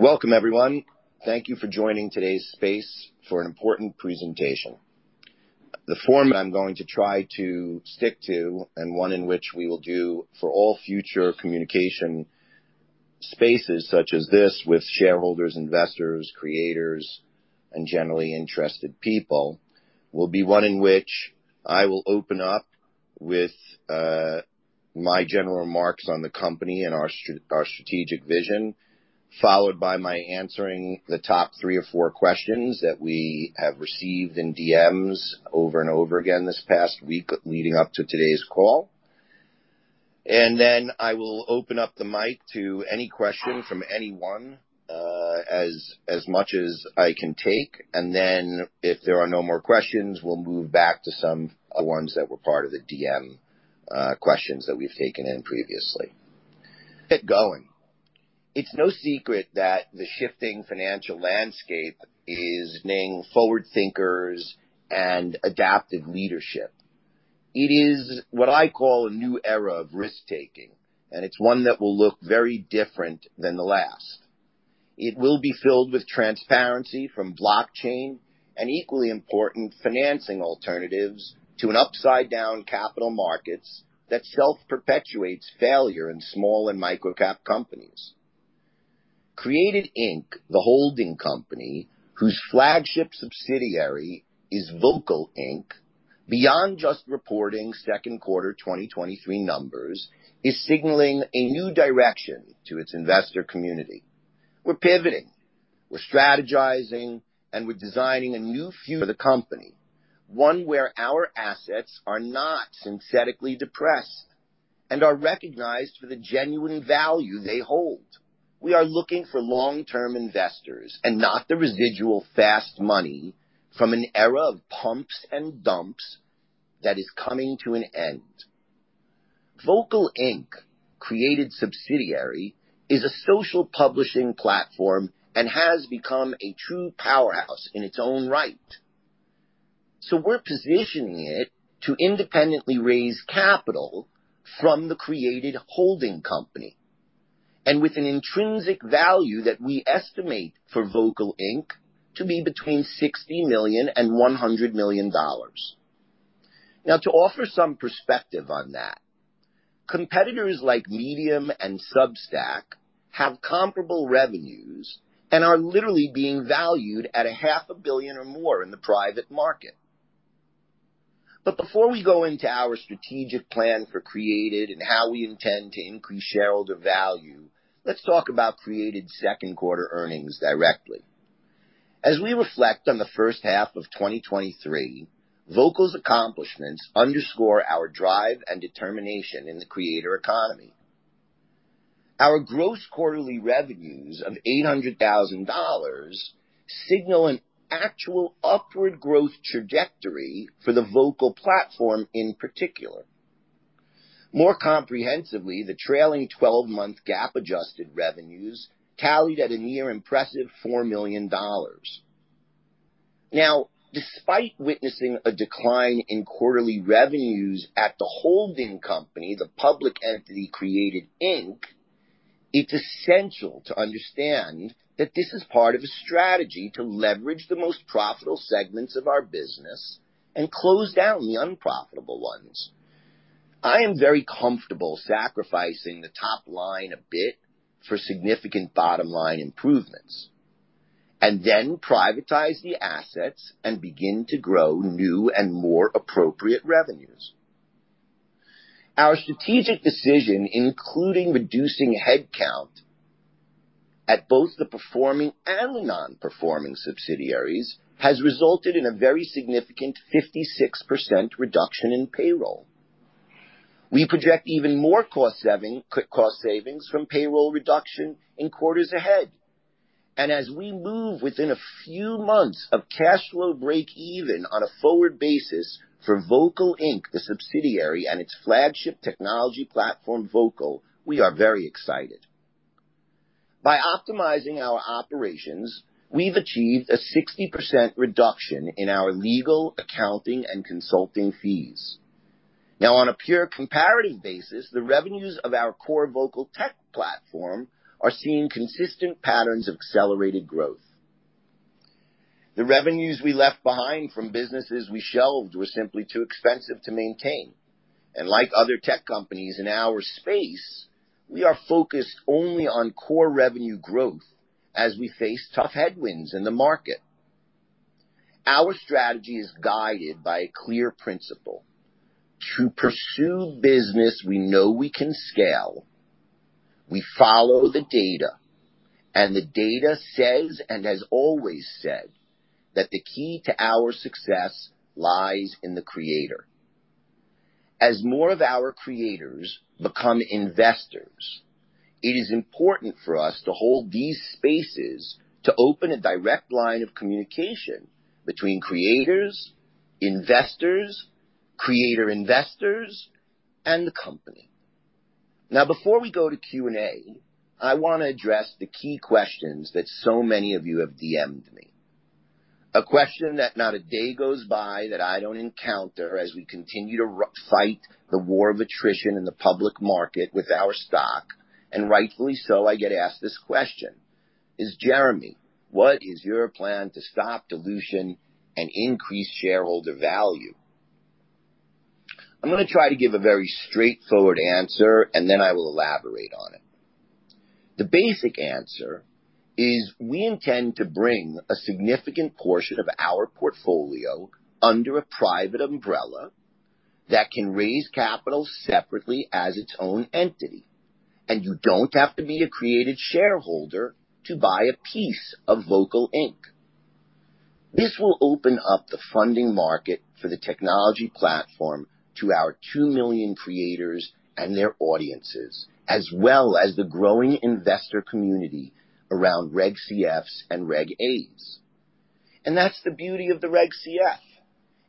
Welcome, everyone. Thank you for joining today's space for an important presentation. The form I'm going to try to stick to, and one in which we will do for all future communication spaces such as this with shareholders, investors, creators, and generally interested people, will be one in which I will open up with my general remarks on the company and our strategic vision, followed by my answering the top three or four questions that we have received in DMs over and over again this past week, leading up to today's call. I will open up the mic to any question from anyone, as, as much as I can take. If there are no more questions, we'll move back to some, ones that were part of the DM, questions that we've taken in previously. Get going. It's no secret that the shifting financial landscape is naming forward thinkers and adaptive leadership. It is what I call a new era of risk-taking, and it's one that will look very different than the last. It will be filled with transparency from blockchain and equally important, financing alternatives to an upside-down capital markets that self-perpetuates failure in small and microcap companies. Creatd, Inc., the holding company, whose flagship subsidiary is Vocal, Inc., beyond just reporting second quarter 2023 numbers, is signaling a new direction to its investor community. We're pivoting, we're strategizing, and we're designing a new future for the company, one where our assets are not synthetically depressed and are recognized for the genuine value they hold. We are looking for long-term investors and not the residual fast money from an era of pumps and dumps that is coming to an end. Vocal, Inc., Creatd subsidiary, is a social publishing platform and has become a true powerhouse in its own right. We're positioning it to independently raise capital from the Creatd holding company, and with an intrinsic value that we estimate for Vocal, Inc. to be between $60 million-$100 million. Now, to offer some perspective on that, competitors like Medium and Substack have comparable revenues and are literally being valued at $500 million or more in the private market. Before we go into our strategic plan for Creatd and how we intend to increase shareholder value, let's talk about Creatd second quarter earnings directly. As we reflect on the first half of 2023, Vocal's accomplishments underscore our drive and determination in the creator economy. Our gross quarterly revenues of $800,000 signal an actual upward growth trajectory for the Vocal platform in particular. More comprehensively, the trailing 12-month GAAP-adjusted revenues tallied at a near impressive $4 million. Now, despite witnessing a decline in quarterly revenues at the holding company, the public entity, Creatd, Inc., it's essential to understand that this is part of a strategy to leverage the most profitable segments of our business and close down the unprofitable ones. I am very comfortable sacrificing the top line a bit for significant bottom line improvements, and then privatize the assets and begin to grow new and more appropriate revenues. Our strategic decision, including reducing headcount at both the performing and non-performing subsidiaries, has resulted in a very significant 56% reduction in payroll. We project even more cost saving, cost savings from payroll reduction in quarters ahead. As we move within a few months of cash flow break even on a forward basis for Vocal, Inc., the subsidiary, and its flagship technology platform, Vocal, we are very excited. By optimizing our operations, we've achieved a 60% reduction in our legal, accounting, and consulting fees. Now, on a pure comparative basis, the revenues of our core Vocal tech platform are seeing consistent patterns of accelerated growth. The revenues we left behind from businesses we shelved were simply too expensive to maintain. Like other tech companies in our space, we are focused only on core revenue growth as we face tough headwinds in the market. Our strategy is guided by a clear principle: to pursue business we know we can scale. We follow the data, and the data says, and has always said, that the key to our success lies in the creator. As more of our creators become investors, it is important for us to hold these spaces to open a direct line of communication between creators, investors, creator investors, and the company. Before we go to Q&A, I want to address the key questions that so many of you have DM'd me. A question that not a day goes by that I don't encounter as we continue to fight the war of attrition in the public market with our stock, and rightfully so, I get asked this question, is: "Jeremy, what is your plan to stop dilution and increase shareholder value?" I'm going to try to give a very straightforward answer, and then I will elaborate on it. The basic answer is we intend to bring a significant portion of our portfolio under a private umbrella that can raise capital separately as its own entity. You don't have to be a Creatd shareholder to buy a piece of Vocal, Inc. This will open up the funding market for the technology platform to our 2 million creators and their audiences, as well as the growing investor community around Reg CFs and Reg A's. That's the beauty of the Reg CF.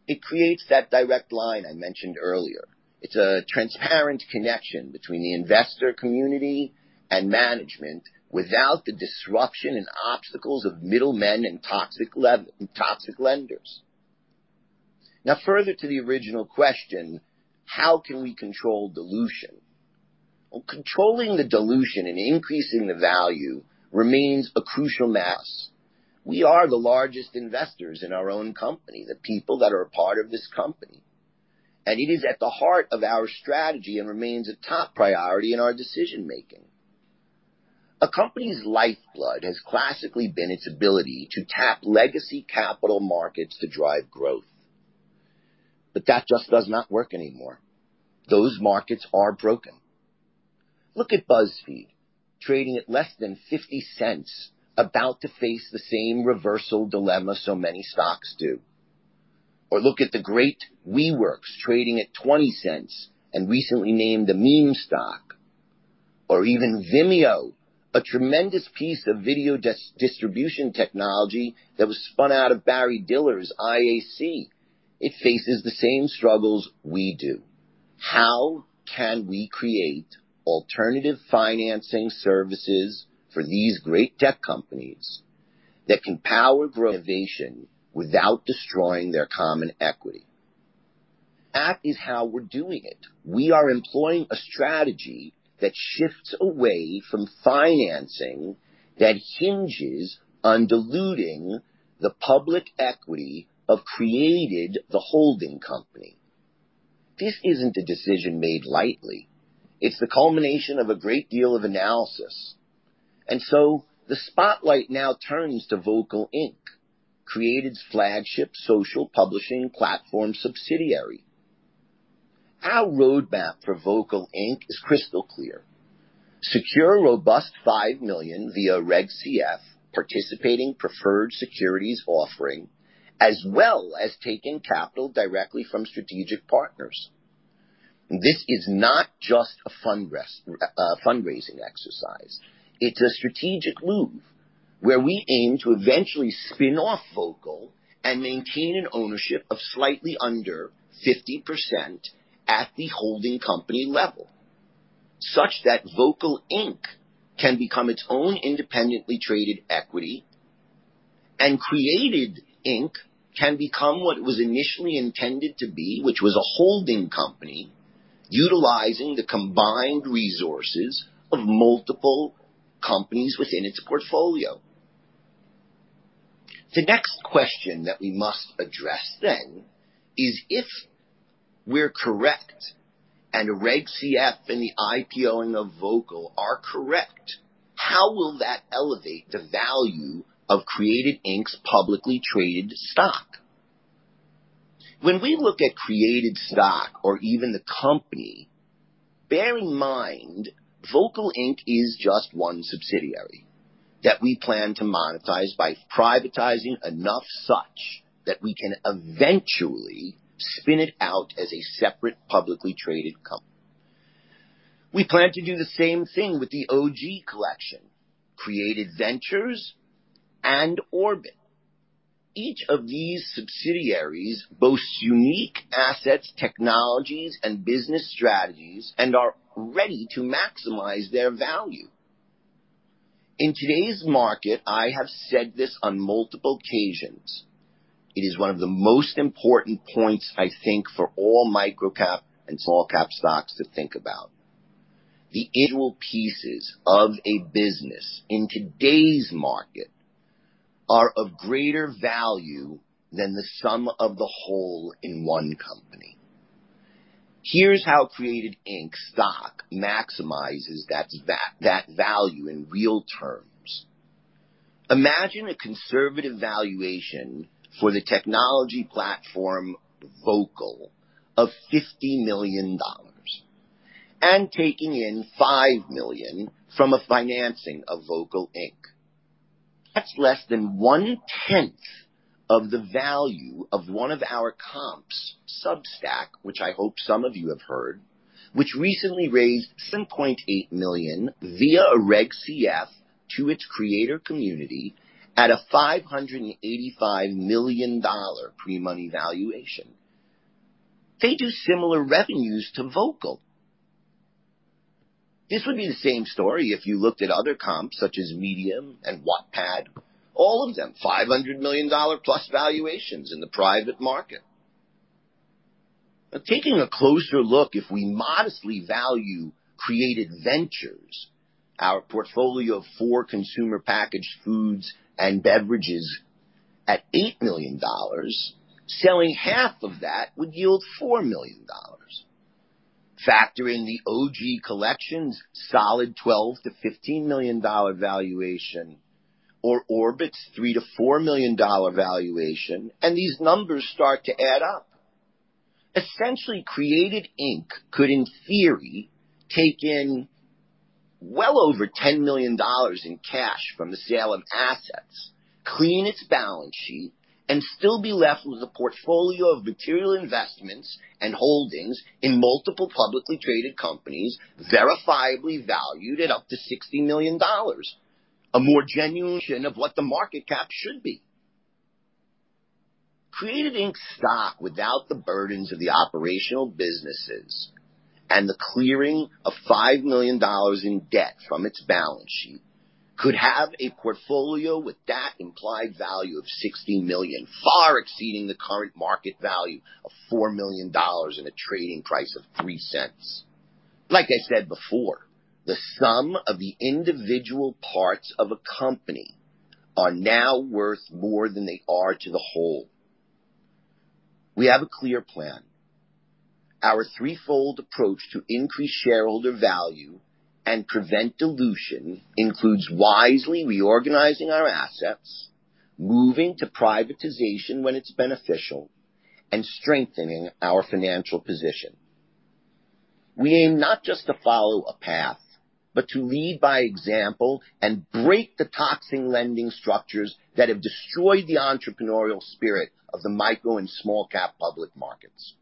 It creates that direct line I mentioned earlier. It's a transparent connection between the investor community and management without the disruption and obstacles of middlemen and toxic lenders. Now, further to the original question, how can we control dilution? Well, controlling the dilution and increasing the value remains a crucial mass. We are the largest investors in our own company, the people that are a part of this company, and it is at the heart of our strategy and remains a top priority in our decision making. A company's lifeblood has classically been its ability to tap legacy capital markets to drive growth, but that just does not work anymore. Those markets are broken. Look at BuzzFeed, trading at less than $0.50, about to face the same reversal dilemma so many stocks do. Look at the great WeWork, trading at $0.20 and recently named a meme stock, or even Vimeo, a tremendous piece of video des- distribution technology that was spun out of Barry Diller's IAC. It faces the same struggles we do. How can we create alternative financing services for these great tech companies that can power innovation without destroying their common equity? That is how we're doing it. We are employing a strategy that shifts away from financing, that hinges on diluting the public equity of Creatd the holding company. This isn't a decision made lightly. It's the culmination of a great deal of analysis. The spotlight now turns to Vocal, Inc., Creatd's flagship social publishing platform subsidiary. Our roadmap for Vocal, Inc. is crystal clear. Secure a robust $5 million via Reg CF, participating preferred securities offering, as well as taking capital directly from strategic partners. This is not just a fundraising exercise. It's a strategic move where we aim to eventually spin off Vocal and maintain an ownership of slightly under 50% at the holding company level, such that Vocal, Inc. can become its own independently traded equity. Creatd Inc. can become what was initially intended to be, which was a holding company, utilizing the combined resources of multiple companies within its portfolio. The next question that we must address then is, if we're correct and Reg CF and the IPOing of Vocal are correct, how will that elevate the value of Creatd Inc.'s publicly traded stock? When we look at Creatd stock or even the company, bear in mind Vocal, Inc. is just one subsidiary that we plan to monetize by privatizing enough such that we can eventually spin it out as a separate, publicly traded company. We plan to do the same thing with the OG Collection, Creatd Ventures and Orbit. Each of these subsidiaries boasts unique assets, technologies, and business strategies and are ready to maximize their value. In today's market, I have said this on multiple occasions, it is one of the most important points, I think, for all micro-cap and small-cap stocks to think about. The individual pieces of a business in today's market are of greater value than the sum of the whole in one company. Here's how Creatd Inc. stock maximizes that value in real terms. Imagine a conservative valuation for the technology platform, Vocal, of $50 million and taking in $5 million from a financing of Vocal, Inc. That's less than one-tenth of the value of one of our comps, Substack, which I hope some of you have heard, which recently raised $7.8 million via a Reg CF to its creator community at a $585 million pre-money valuation. They do similar revenues to Vocal. This would be the same story if you looked at other comps such as Medium and Wattpad. All of them, $500 million+ valuations in the private market. Taking a closer look, if we modestly value Creatd Ventures, our portfolio of four consumer packaged foods and beverages at $8 million, selling half of that would yield $4 million. Factor in the OG Collection's solid $12 million-$15 million valuation, or Orbit's $3 million-$4 million valuation, and these numbers start to add up. Essentially, Creatd, Inc. could, in theory, take in well over $10 million in cash from the sale of assets, clean its balance sheet, and still be left with a portfolio of material investments and holdings in multiple publicly traded companies, verifiably valued at up to $60 million. A more genuine of what the market cap should be. Creatd Inc. stock, without the burdens of the operational businesses and the clearing of $5 million in debt from its balance sheet, could have a portfolio with that implied value of $60 million, far exceeding the current market value of $4 million and a trading price of $0.03. Like I said before, the sum of the individual parts of a company are now worth more than they are to the whole. We have a clear plan. Our threefold approach to increase shareholder value and prevent dilution includes wisely reorganizing our assets, moving to privatization when it's beneficial, and strengthening our financial position. We aim not just to follow a path, but to lead by example and break the toxic lending structures that have destroyed the entrepreneurial spirit of the micro and small cap public markets.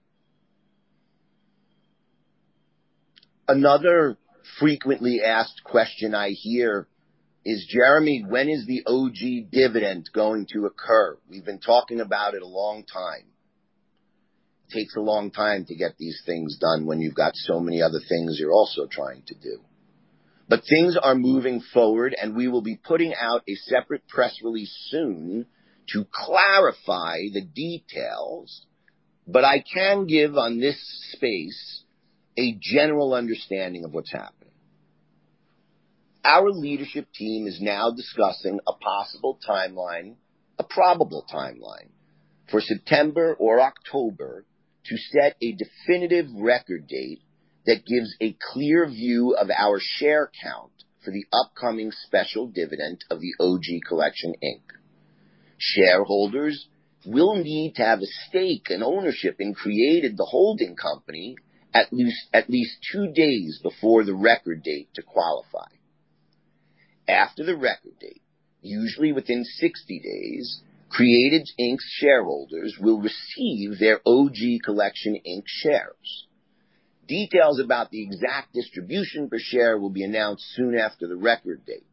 Another frequently asked question I hear is, "Jeremy, when is the OG dividend going to occur? We've been talking about it a long time." Takes a long time to get these things done when you've got so many other things you're also trying to do. Things are moving forward, and we will be putting out a separate press release soon to clarify the details, but I can give on this space a general understanding of what's happening. Our leadership team is now discussing a possible timeline, a probable timeline, for September or October to set a definitive record date that gives a clear view of our share count for the upcoming special dividend of the OG Collection, Inc. Shareholders will need to have a stake in ownership in Creatd, the holding company, at least, at least two days before the record date to qualify. After the record date, usually within 60 days, Creatd, Inc.'s shareholders will receive their OG Collection, Inc. shares. Details about the exact distribution per share will be announced soon after the record date.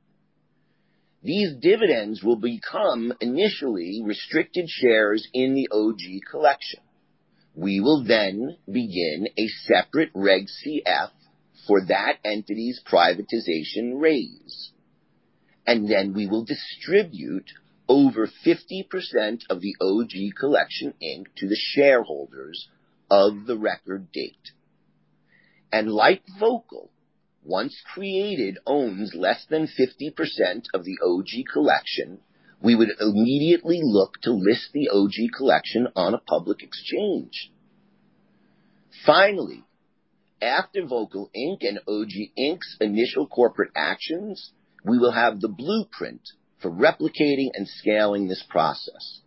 These dividends will become initially restricted shares in the OG Collection. We will then begin a separate Reg CF for that entity's privatization raise, and then we will distribute over 50% of the OG Collection, Inc. to the shareholders of the record date. Like Vocal, once Creatd owns less than 50% of the OG Collection, we would immediately look to list the OG Collection on a public exchange. Finally, after Vocal, Inc. and OG Inc.'s initial corporate actions, we will have the blueprint for replicating and scaling this process.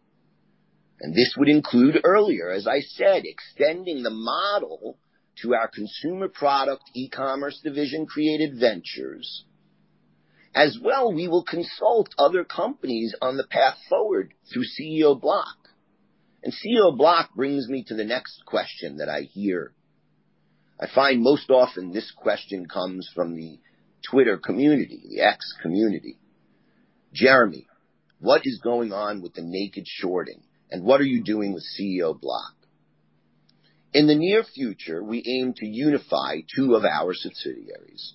This would include earlier, as I said, extending the model to our consumer product, e-commerce division, Creatd Ventures. As well, we will consult other companies on the path forward through CEOBLOC. CEOBLOC brings me to the next question that I hear. I find most often this question comes from the Twitter community, the X community: "Jeremy, what is going on with the naked shorting, and what are you doing with CEOBLOC?" In the near future, we aim to unify two of our subsidiaries,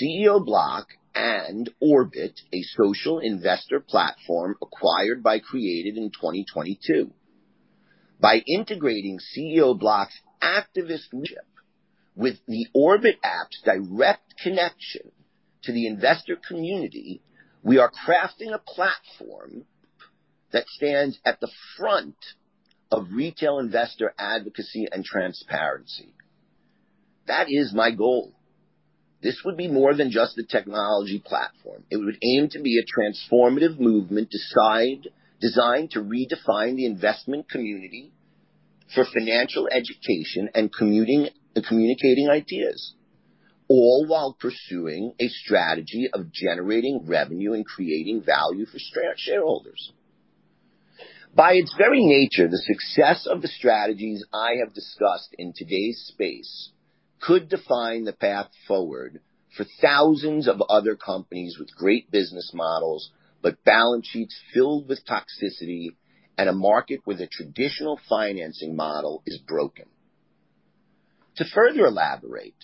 CEOBLOC and Orbit, a social investor platform acquired by Creatd in 2022. By integrating CEOBLOC's activist leadership with the Orbit app's direct connection to the investor community, we are crafting a platform that stands at the front of retail investor advocacy and transparency. That is my goal. This would be more than just a technology platform. It would aim to be a transformative movement, designed to redefine the investment community for financial education and communicating ideas, all while pursuing a strategy of generating revenue and creating value for shareholders. By its very nature, the success of the strategies I have discussed in today's space could define the path forward for thousands of other companies with great business models, but balance sheets filled with toxicity and a market where the traditional financing model is broken. To further elaborate,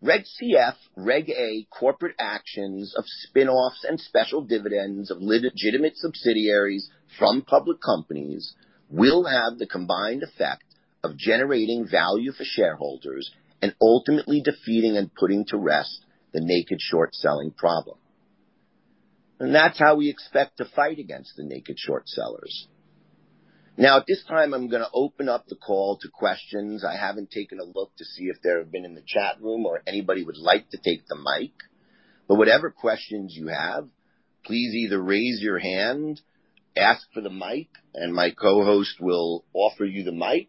Reg CF, Reg A corporate actions of spin-offs and special dividends of legitimate subsidiaries from public companies will have the combined effect of generating value for shareholders and ultimately defeating and putting to rest the naked short selling problem. That's how we expect to fight against the naked short sellers. At this time, I'm going to open up the call to questions. I haven't taken a look to see if there have been in the chat room or anybody would like to take the mic, but whatever questions you have, please either raise your hand, ask for the mic, and my co-host will offer you the mic,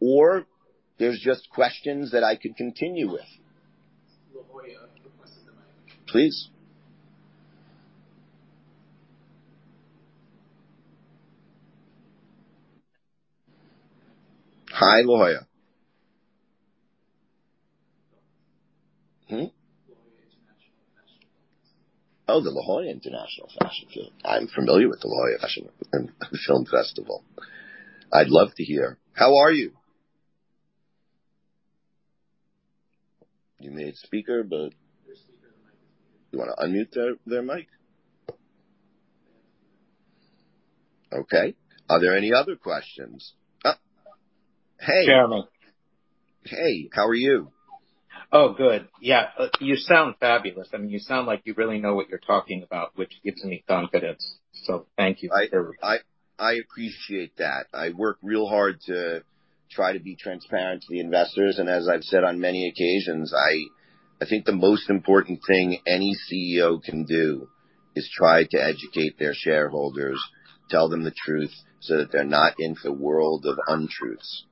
or there's just questions that I could continue with. La Jolla requests the mic. Please. Hi, La Jolla. Hmm? La Jolla International Fashion Film. Oh, the La Jolla International Fashion Film. I'm familiar with the La Jolla Fashion and Film Festival. I'd love to hear. How are you? You made speaker, but- You're speaker. The mic is muted. You want to unmute their, their mic? Okay. Are there any other questions? Hey. Jeremy. Hey, how are you? Oh, good. Yeah, you sound fabulous. I mean, you sound like you really know what you're talking about, which gives me confidence. Thank you for everything. I appreciate that. I work real hard to try to be transparent to the investors, as I've said on many occasions, I think the most important thing any CEO can do is try to educate their shareholders, tell them the truth so that they're not in the world of untruths.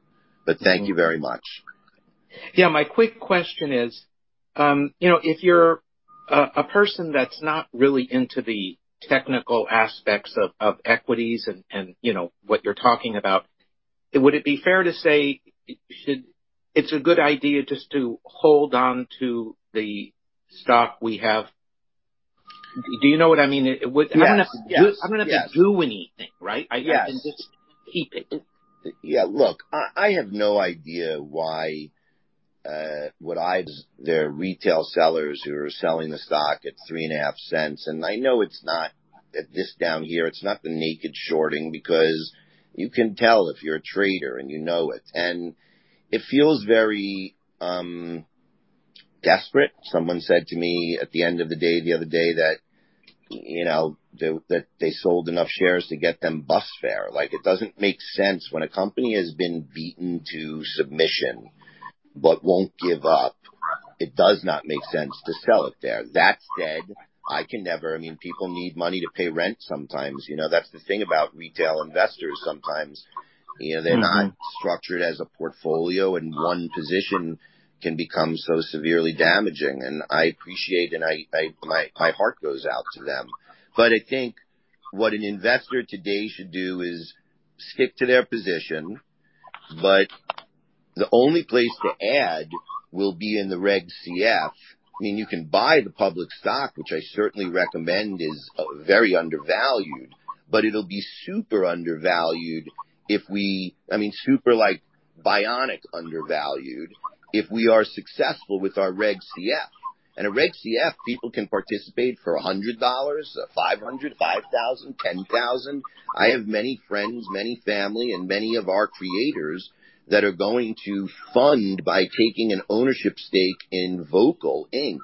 Thank you very much. Yeah, my quick question is, you know, if you're a, a person that's not really into the technical aspects of, of equities and, and you know, what you're talking about, would it be fair to say, It's a good idea just to hold on to the stock we have? Do you know what I mean? Yes. I don't have to do- Yes. I don't have to do anything, right? Yes. I can just keep it. Yeah, look, I, I have no idea why. There are retail sellers who are selling the stock at $0.035, and I know it's not, at this down here, it's not the naked shorting, because you can tell if you're a trader and you know it, and it feels very desperate. Someone said to me at the end of the day, the other day, that, you know, they sold enough shares to get them bus fare. Like, it doesn't make sense. When a company has been beaten to submission but won't give up, it does not make sense to sell it there. That said, I can never... I mean, people need money to pay rent sometimes. You know, that's the thing about retail investors. Sometimes, you know, they're not structured as a portfolio, and one position can become so severely damaging. I appreciate, and I, I, my, my heart goes out to them. I think what an investor today should do is stick to their position, but the only place to add will be in the Reg CF. I mean, you can buy the public stock, which I certainly recommend is very undervalued, but it'll be super undervalued if we... I mean, super like bionic undervalued, if we are successful with our Reg CF. A Reg CF, people can participate for $100, $500, $5,000, $10,000. I have many friends, many family, and many of our creators that are going to fund by taking an ownership stake in Vocal, Inc.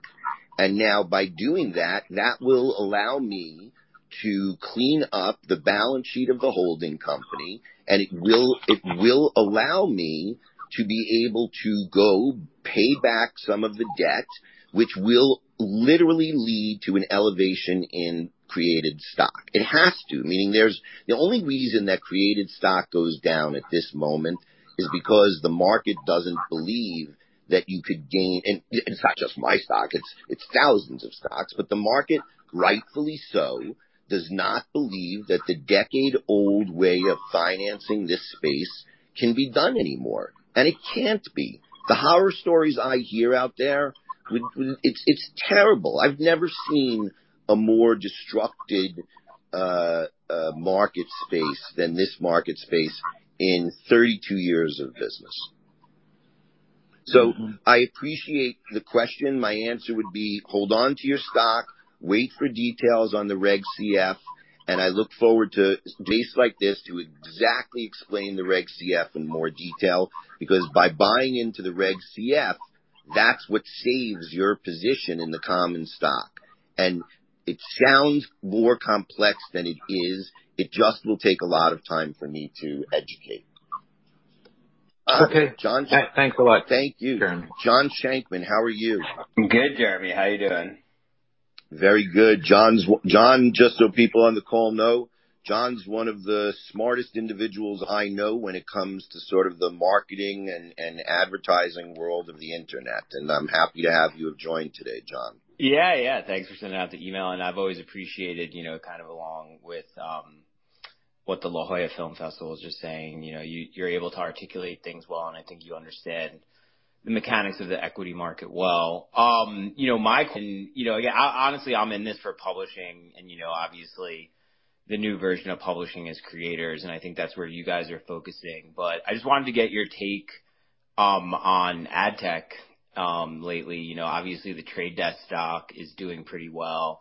Now by doing that, that will allow me to clean up the balance sheet of the holding company, it will allow me to be able to go pay back some of the debt, which will literally lead to an elevation in Creatd stock. It has to. Meaning, the only reason that Creatd stock goes down at this moment is because the market doesn't believe that you could gain, it's not just my stock, it's thousands of stocks, the market, rightfully so, does not believe that the decade-old way of financing this space can be done anymore. It can't be. The horror stories I hear out there, it's, it's terrible. I've never seen a more destructed market space than this market space in 32 years of business. I appreciate the question. My answer would be, hold on to your stock, wait for details on the Reg CF, and I look forward to days like this to exactly explain the Reg CF in more detail, because by buying into the Reg CF, that's what saves your position in the common stock. It sounds more complex than it is. It just will take a lot of time for me to educate. Okay. John- Thanks a lot. Thank you. Jeremy. John Shankman, how are you? I'm good, Jeremy. How are you doing? Very good. John's John, just so people on the call know, John's one of the smartest individuals I know when it comes to sort of the marketing and, and advertising world of the internet. I'm happy to have you have joined today, John. Yeah, yeah. Thanks for sending out the email, and I've always appreciated, you know, kind of along with, what the La Jolla Film Festival was just saying, you know, you, you're able to articulate things well, and I think you understand the mechanics of the equity market well. You know, my, you know, again, honestly, I'm in this for publishing and, you know, obviously the new version of publishing is creators, and I think that's where you guys are focusing. But I just wanted to get your take, on ad tech, lately. You know, obviously, The Trade Desk stock is doing pretty well.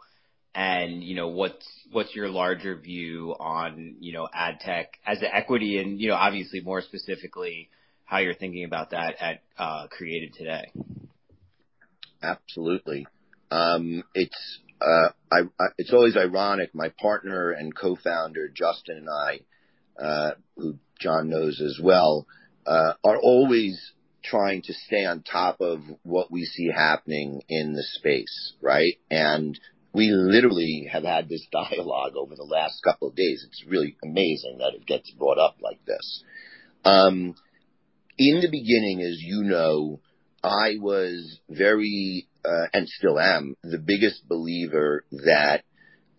You know, what's, what's your larger view on, you know, ad tech as an equity and, you know, obviously, more specifically, how you're thinking about that at Creatd today? Absolutely. It's always ironic, my partner and co-founder, Justin, and I, who John knows as well, are always trying to stay on top of what we see happening in the space, right? We literally have had this dialogue over the last couple of days. It's really amazing that it gets brought up like this. In the beginning, as you know, I was very, and still am, the biggest believer that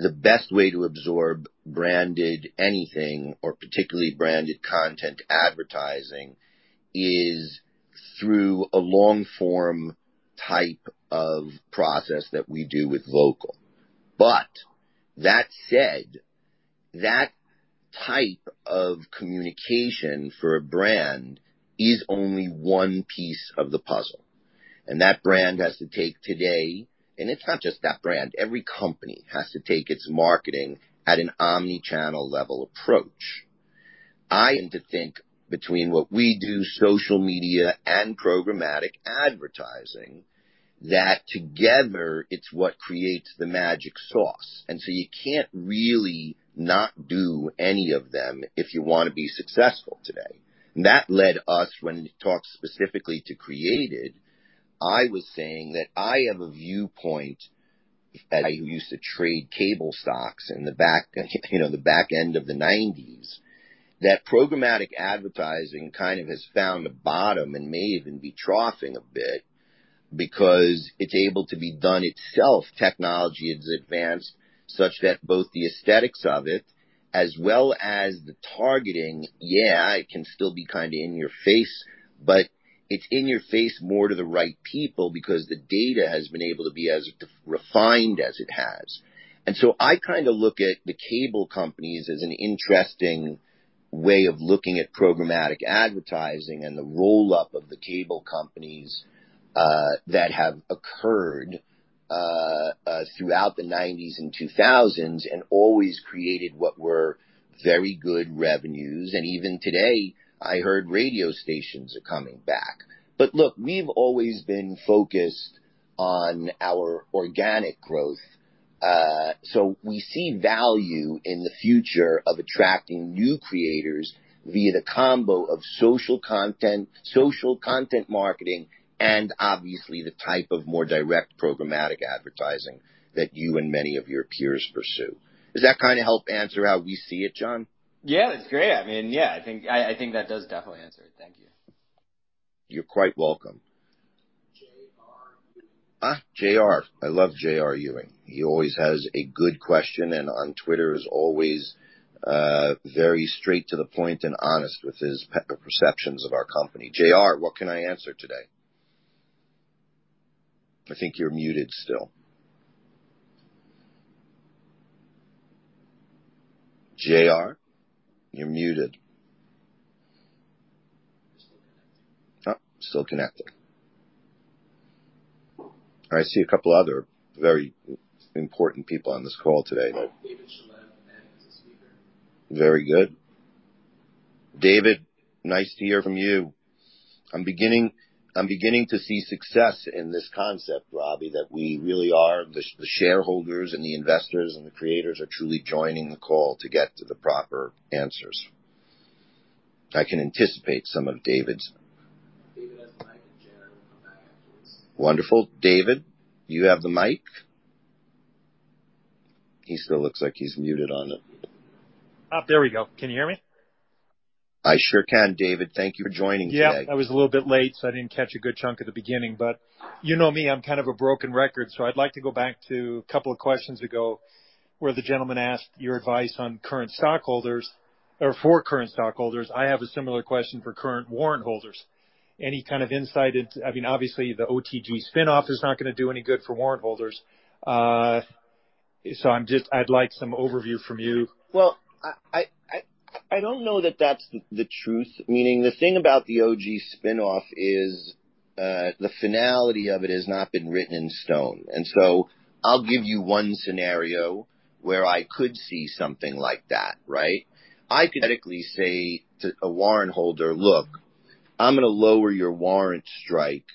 the best way to absorb branded anything or particularly branded content advertising, is through a long form type of process that we do with Vocal. That said, that type of communication for a brand is only one piece of the puzzle, and that brand has to take today, and it's not just that brand. Every company has to take its marketing at an omnichannel level approach. I come to think between what we do, social media and programmatic advertising, that together it's what creates the magic sauce. You can't really not do any of them if you want to be successful today. That led us when you talk specifically to Creatd, I was saying that I have a viewpoint, as I who used to trade cable stocks in the back, you know, the back end of the nineties, that programmatic advertising kind of has found a bottom and may even be troughing a bit because it's able to be done itself. Technology has advanced such that both the aesthetics of it as well as the targeting, yeah, it can still be kind of in your face, but it's in your face more to the right people because the data has been able to be as refined as it has. So I kind of look at the cable companies as an interesting way of looking at programmatic advertising and the roll-up of the cable companies that have occurred throughout the 1990s and 2000s, and always created what were very good revenues. Even today, I heard radio stations are coming back. Look, we've always been focused on our organic growth. So we see value in the future of attracting new creators via the combo of social content, social content marketing, and obviously the type of more direct programmatic advertising that you and many of your peers pursue. Does that kind of help answer how we see it, John? Yeah, that's great. I mean, yeah, I think that does definitely answer it. Thank you. You're quite welcome. JR. Ah, JR. I love JR Ewing. He always has a good question, and on Twitter, is always very straight to the point and honest with his perceptions of our company. JR, what can I answer today? I think you're muted still. JR, you're muted. Still connecting. Oh, still connecting. I see a couple other very important people on this call today. David Shalev is the next speaker. Very good. David, nice to hear from you. I'm beginning, I'm beginning to see success in this concept, Robbie, that we really are the, the shareholders and the investors and the creators are truly joining the call to get to the proper answers. I can anticipate some of David's. David has the mic and Jen on the back. Wonderful. David, you have the mic. He still looks like he's muted on it. Oh, there we go. Can you hear me? I sure can, David. Thank you for joining today. Yeah, I was a little bit late, so I didn't catch a good chunk at the beginning, but you know me, I'm kind of a broken record, so I'd like to go back to a couple of questions ago where the gentleman asked your advice on current stockholders or for current stockholders. I have a similar question for current warrant holders. Any kind of insight into... I mean, obviously, the OG spin-off is not going to do any good for warrant holders? I'd like some overview from you. Well, I, I, I, I don't know that that's the truth. Meaning, the thing about the OG spin-off is, the finality of it has not been written in stone. So I'll give you one scenario where I could see something like that, right? I could theoretically say to a warrant holder: "Look, I'm going to lower your warrant strike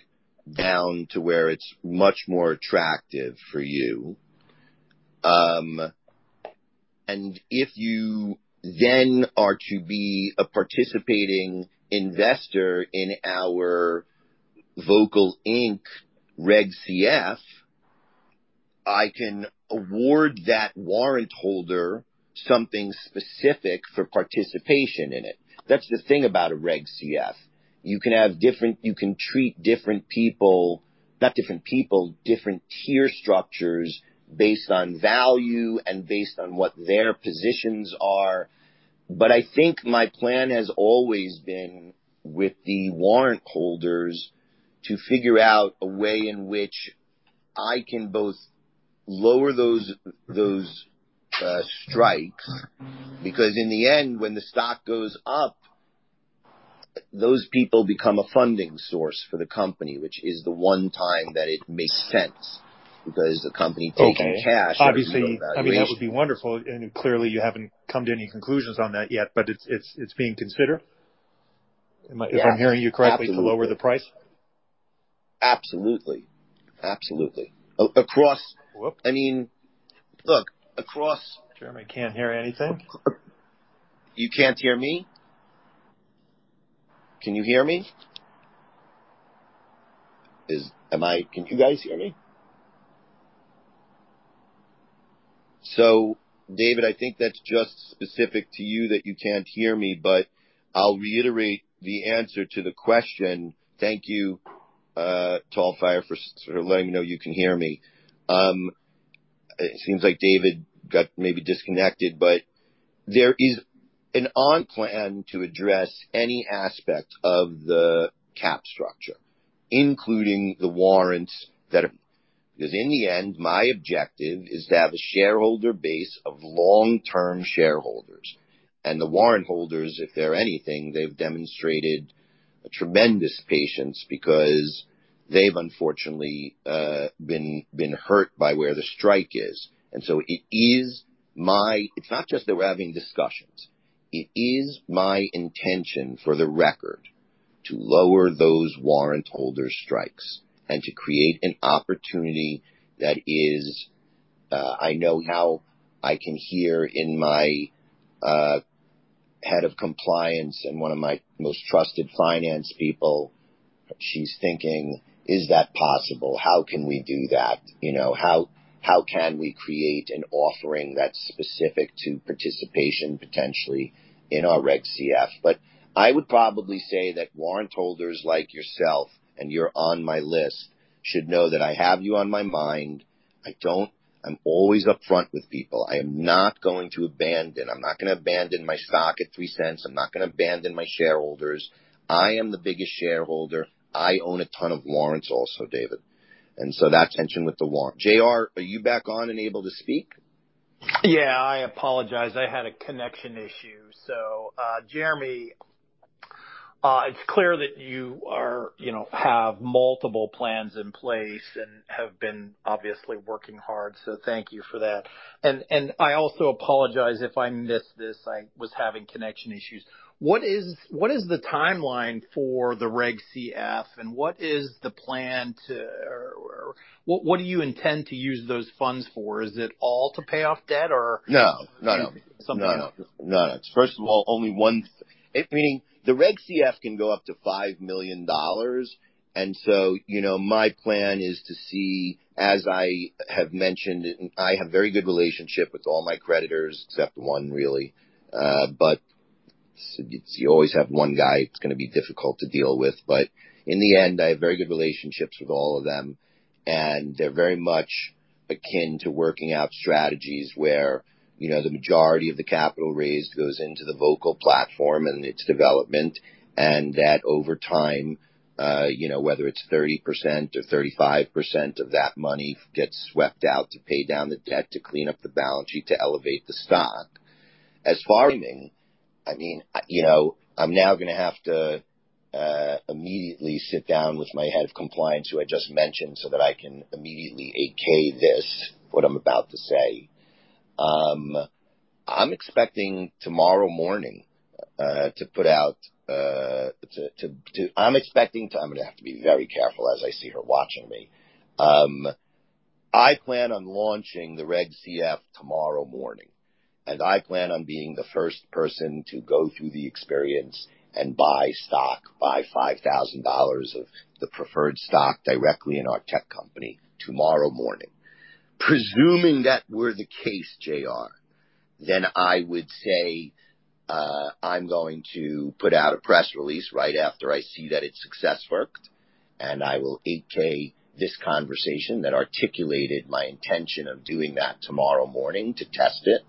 down to where it's much more attractive for you. If you then are to be a participating investor in our Vocal, Inc. Reg CF, I can award that warrant holder something specific for participation in it." That's the thing about a Reg CF. You can treat different people, not different people, different tier structures based on value and based on what their positions are. I think my plan has always been with the warrant holders to figure out a way in which I can both lower those, those strikes, because in the end, when the stock goes up, those people become a funding source for the company, which is the one time that it makes sense because the company taking cash. Okay. Obviously, I mean, that would be wonderful, and clearly, you haven't come to any conclusions on that yet, but it's, it's, it's being considered, if I'm hearing you correctly, to lower the price? Absolutely. Absolutely. across- Whoop. I mean, look. Jeremy, I can't hear anything. You can't hear me? Can you hear me? Can you guys hear me? David, I think that's just specific to you that you can't hear me, but I'll reiterate the answer to the question. Thank you for sort of letting me know you can hear me. It seems like David got maybe disconnected, but there is an on plan to address any aspect of the cap structure, including the warrants that are. Because in the end, my objective is to have a shareholder base of long-term shareholders. The warrant holders, if they're anything, they've demonstrated a tremendous patience because they've unfortunately been, been hurt by where the strike is. It is my. It's not just that we're having discussions. It is my intention, for the record, to lower those warrant holder strikes and to create an opportunity that is, I know how I can hear in my head of compliance and one of my most trusted finance people, she's thinking: Is that possible? How can we do that? You know, how, how can we create an offering that's specific to participation, potentially in our Reg CF? I would probably say that warrant holders like yourself, and you're on my list, should know that I have you on my mind. I don't... I'm always upfront with people. I am not going to abandon. I'm not gonna abandon my stock at $0.03. I'm not gonna abandon my shareholders. I am the biggest shareholder. I own a ton of warrants also, David, so that's intention with the warrant. JR, are you back on and able to speak? Yeah, I apologize. I had a connection issue. Jeremy, it's clear that you are, you know, have multiple plans in place and have been obviously working hard, so thank you for that. I also apologize if I missed this. I was having connection issues. What is, what is the timeline for the Reg CF, and what is the plan to or, what do you intend to use those funds for? Is it all to pay off debt or? No, not at all. Something else. No, no. First of all, only one, it, meaning the Reg CF can go up to $5 million. So, you know, my plan is to see, as I have mentioned, I have very good relationship with all my creditors, except one, really. You always have one guy it's gonna be difficult to deal with. In the end, I have very good relationships with all of them, and they're very much akin to working out strategies where, you know, the majority of the capital raised goes into the Vocal platform and its development, and that over time, you know, whether it's 30% or 35% of that money gets swept out to pay down the debt, to clean up the balance sheet, to elevate the stock. As far as, I mean, you know, I'm now gonna have to, immediately sit down with my head of compliance, who I just mentioned, so that I can immediately 8-K this, what I'm about to say. I'm expecting tomorrow morning, to put out. I'm gonna have to be very careful as I see her watching me. I plan on launching the Reg CF tomorrow morning, and I plan on being the first person to go through the experience and buy stock, buy $5,000 of the preferred stock directly in our tech company tomorrow morning. Presuming that were the case, JR, then I would say, I'm going to put out a press release right after I see that it's successful, and I will 8-K this conversation that articulated my intention of doing that tomorrow morning to test it,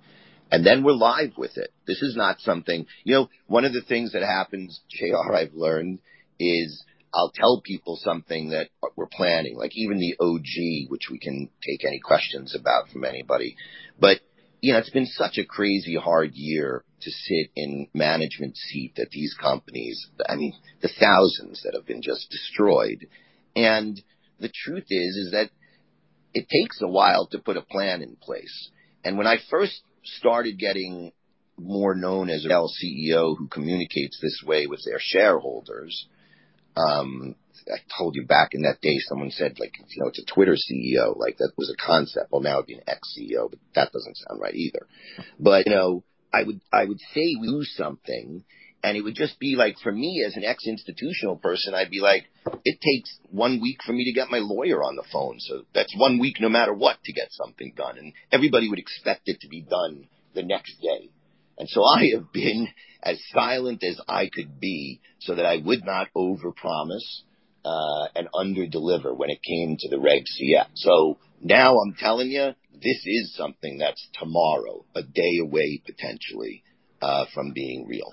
and then we're live with it. This is not something... You know, one of the things that happens, JR, I've learned, is I'll tell people something that we're planning, like even the OG, which we can take any questions about from anybody. You know, it's been such a crazy, hard year to sit in management seat that these companies, I mean, the thousands that have been just destroyed. The truth is, is that it takes a while to put a plan in place. When I first started getting more known as an Alt-CEO who communicates this way with their shareholders, I told you back in that day, someone said, like, you know, it's a Twitter CEO. Like, that was a concept. Well, now it'd be an X-CEO, but that doesn't sound right either. You know, I would, I would say, do something, and it would just be like for me, as an ex-institutional person, I'd be like: It takes one week for me to get my lawyer on the phone, so that's one week, no matter what, to get something done. Everybody would expect it to be done the next day. So I have been as silent as I could be so that I would not overpromise and under-deliver when it came to the Reg CF. Now I'm telling you, this is something that's tomorrow, a day away, potentially, from being real.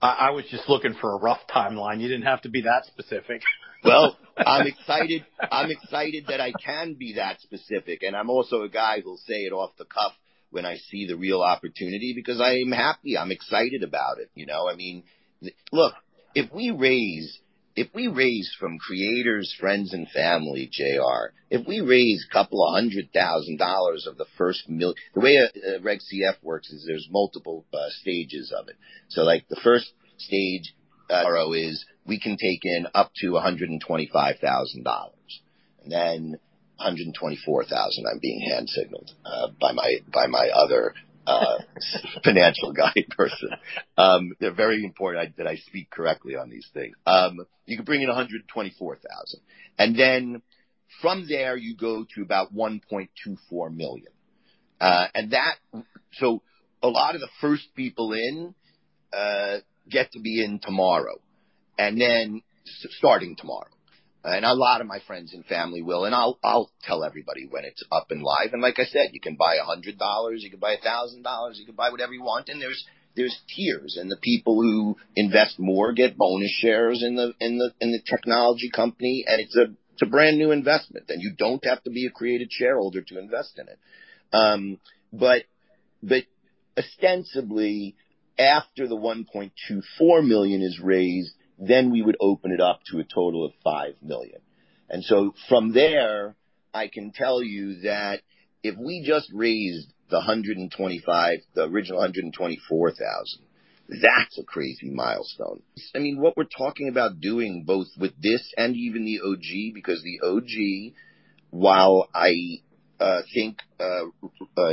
I was just looking for a rough timeline. You didn't have to be that specific. Well, I'm excited. I'm excited that I can be that specific, and I'm also a guy who will say it off the cuff when I see the real opportunity, because I'm happy, I'm excited about it, you know? I mean, look, if we raise, if we raise from creators, friends, and family, JR, if we raise $200,000. The way Reg CF works is there's multiple stages of it. Like, the first stage is we can take in up to $125,000, and then $124,000. I'm being hand signaled by my, by my other financial guy person. They're very important that I speak correctly on these things. You can bring in $124,000, and then from there, you go to about $1.24 million. A lot of the first people in get to be in tomorrow, and then starting tomorrow. A lot of my friends and family will, and I'll tell everybody when it's up and live. Like I said, you can buy $100, you can buy $1,000, you can buy whatever you want. There's tiers, and the people who invest more get bonus shares in the technology company, and it's a brand new investment, and you don't have to be a Creatd shareholder to invest in it. Ostensibly, after the $1.24 million is raised, we would open it up to a total of $5 million. From there, I can tell you that if we just raised the $125,000, the original $124,000, that's a crazy milestone. I mean, what we're talking about doing both with this and even the OG, because the OG, while I think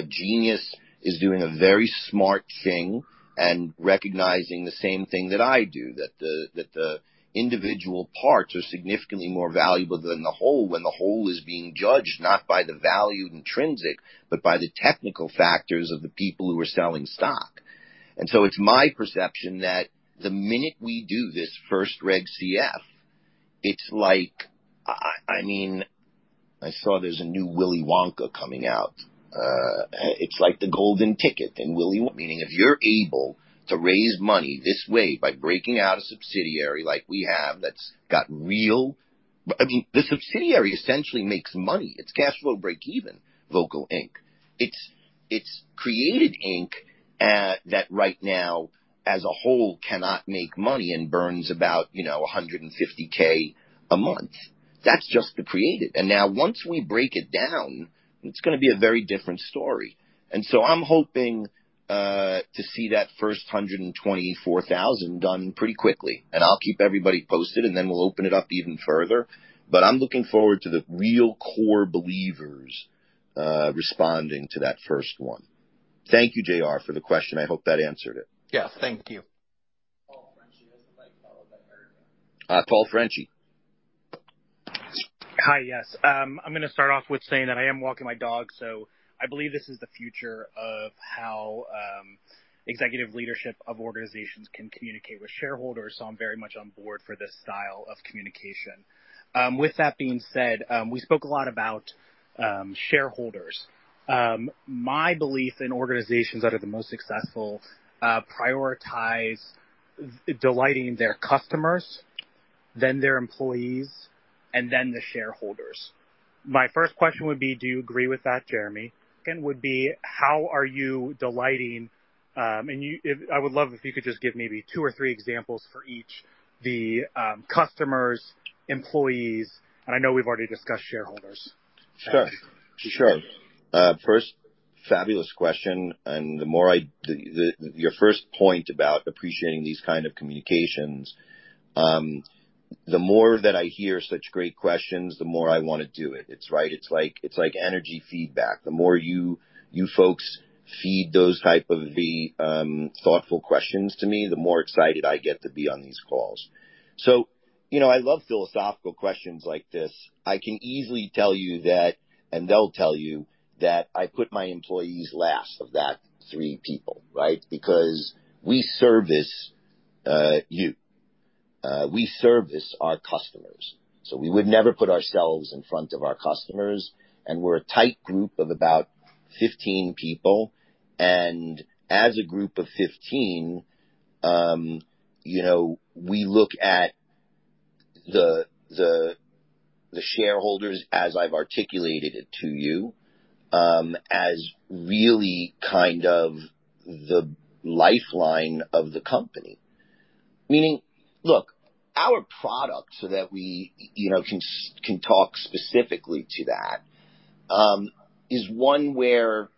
Genius is doing a very smart thing and recognizing the same thing that I do, that the, that the individual parts are significantly more valuable than the whole, when the whole is being judged not by the value intrinsic, but by the technical factors of the people who are selling stock. It's my perception that the minute we do this first Reg CF, it's like, I, I, I mean, I saw there's a new Willy Wonka coming out. It's like the golden ticket in Willy Wonka. Meaning, if you're able to raise money this way, by breaking out a subsidiary like we have, that's got real... I mean, the subsidiary essentially makes money. It's cash flow, break even, Vocal, Inc. It's, it's Creatd, Inc., that right now, as a whole, cannot make money and burns about, you know, $150,000 a month. That's just the Creatd. Now once we break it down, it's gonna be a very different story. I'm hoping to see that first $124,000 done pretty quickly, and I'll keep everybody posted, and then we'll open it up even further. I'm looking forward to the real core believers, responding to that first one. Thank you, JR, for the question. I hope that answered it. Yeah, thank you. Paul Frenchie, has the mic followed by Eric. Paul Frenchie. Hi. Yes. I'm going to start off with saying that I am walking my dog, so I believe this is the future of how executive leadership of organizations can communicate with shareholders. I'm very much on board for this style of communication. With that being said, we spoke a lot about shareholders. My belief in organizations that are the most successful prioritize delighting their customers, then their employees, and then the shareholders. My first question would be: do you agree with that, Jeremy? Would be: how are you delighting? I would love if you could just give maybe two or three examples for each, the customers, employees, and I know we've already discussed shareholders. Sure. Sure. First, fabulous question, the more I... The, the, your first point about appreciating these kind of communications, the more that I hear such great questions, the more I want to do it. It's right. It's like, it's like energy feedback. The more you, you folks feed those type of the, thoughtful questions to me, the more excited I get to be on these calls. You know, I love philosophical questions like this. I can easily tell you that, they'll tell you, that I put my employees last of that three people, right? Because we service, you, we service our customers, so we would never put ourselves in front of our customers, and we're a tight group of about 15 people, and as a group of 15, you know, we look at the, the, the shareholders, as I've articulated it to you, as really kind of the lifeline of the company. Meaning, look, our product, so that we, you know, can talk specifically to that, is one where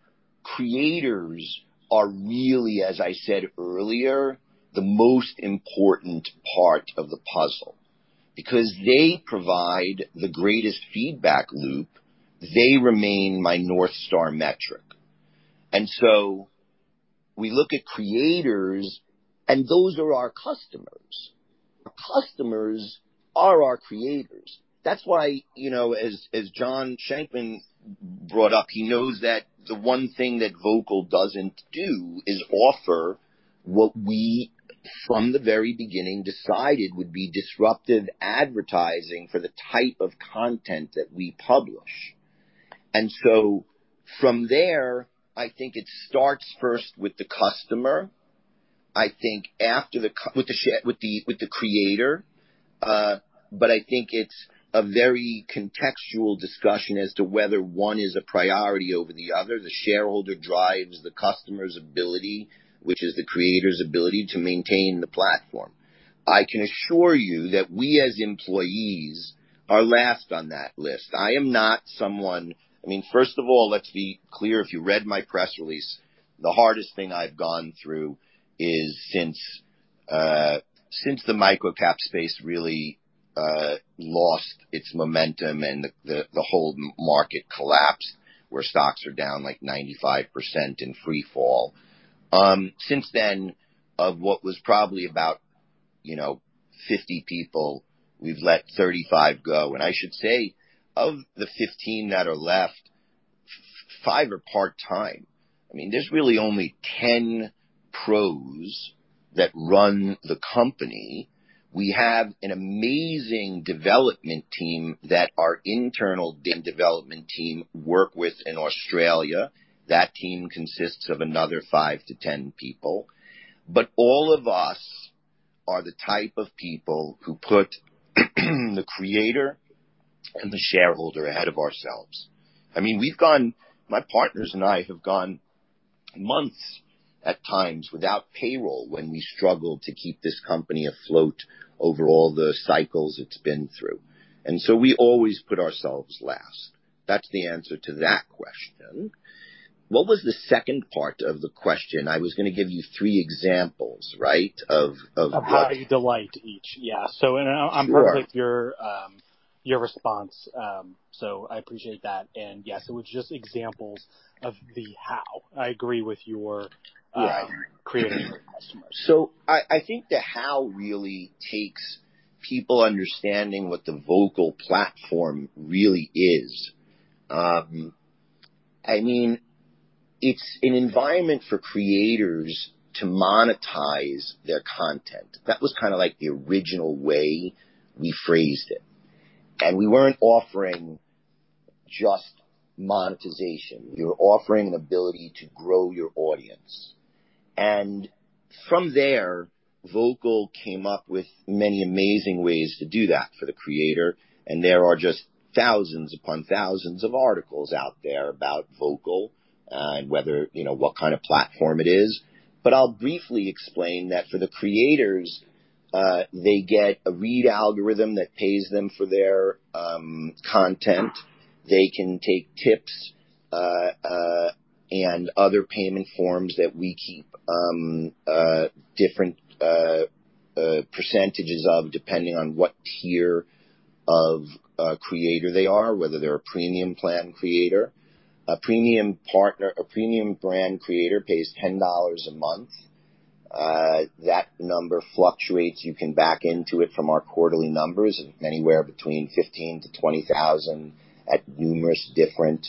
creators are really, as I said earlier, the most important part of the puzzle, because they provide the greatest feedback loop. They remain my North Star metric. We look at creators, and those are our customers. Our customers are our creators. That's why, you know, as, as John Shankman brought up, he knows that the one thing that Vocal doesn't do is offer what we, from the very beginning, decided would be disruptive advertising for the type of content that we publish. So from there, I think it starts first with the customer. I think after the with the share, with the, with the creator, but I think it's a very contextual discussion as to whether one is a priority over the other. The shareholder drives the customer's ability, which is the creator's ability to maintain the platform. I can assure you that we as employees are last on that list. I am not someone. I mean, first of all, let's be clear. If you read my press release, the hardest thing I've gone through is since since the microcap space really lost its momentum and the, the, the whole market collapsed, where stocks are down, like, 95% in free fall. Since then, of what was probably about, you know, 50 people, we've let 35 go. I should say, of the 15 that are left, 5 are part-time. I mean, there's really only 10 pros that run the company. We have an amazing development team that our internal dev development team work with in Australia. That team consists of another 5-10 people, but all of us are the type of people who put the creator and the shareholder ahead of ourselves. I mean, we've gone... My partners and I have gone months at times without payroll when we struggle to keep this company afloat over all the cycles it's been through, and so we always put ourselves last. That's the answer to that question. What was the second part of the question? I was gonna give you three examples, right, of- How you delight each. Yeah. Sure. I'm perfect your, your response, so I appreciate that. Yes, it was just examples of the how. I agree with your- Yeah. Creator and the customers. I, I think the how really takes people understanding what the Vocal platform really is. I mean, it's an environment for creators to monetize their content. That was kind of like the original way we phrased it. We weren't offering just monetization. We were offering the ability to grow your audience. From there, Vocal came up with many amazing ways to do that for the creator, and there are just thousands upon thousands of articles out there about Vocal, and whether, you know, what kind of platform it is. I'll briefly explain that for the creators, they get a read algorithm that pays them for their content. They can take tips, and other payment forms that we keep different percentages of, depending on what tier of creator they are, whether they're a premium plan creator. A premium partner, a premium brand creator pays $10 a month. That number fluctuates. You can back into it from our quarterly numbers, anywhere between $15,000-$20,000 at numerous different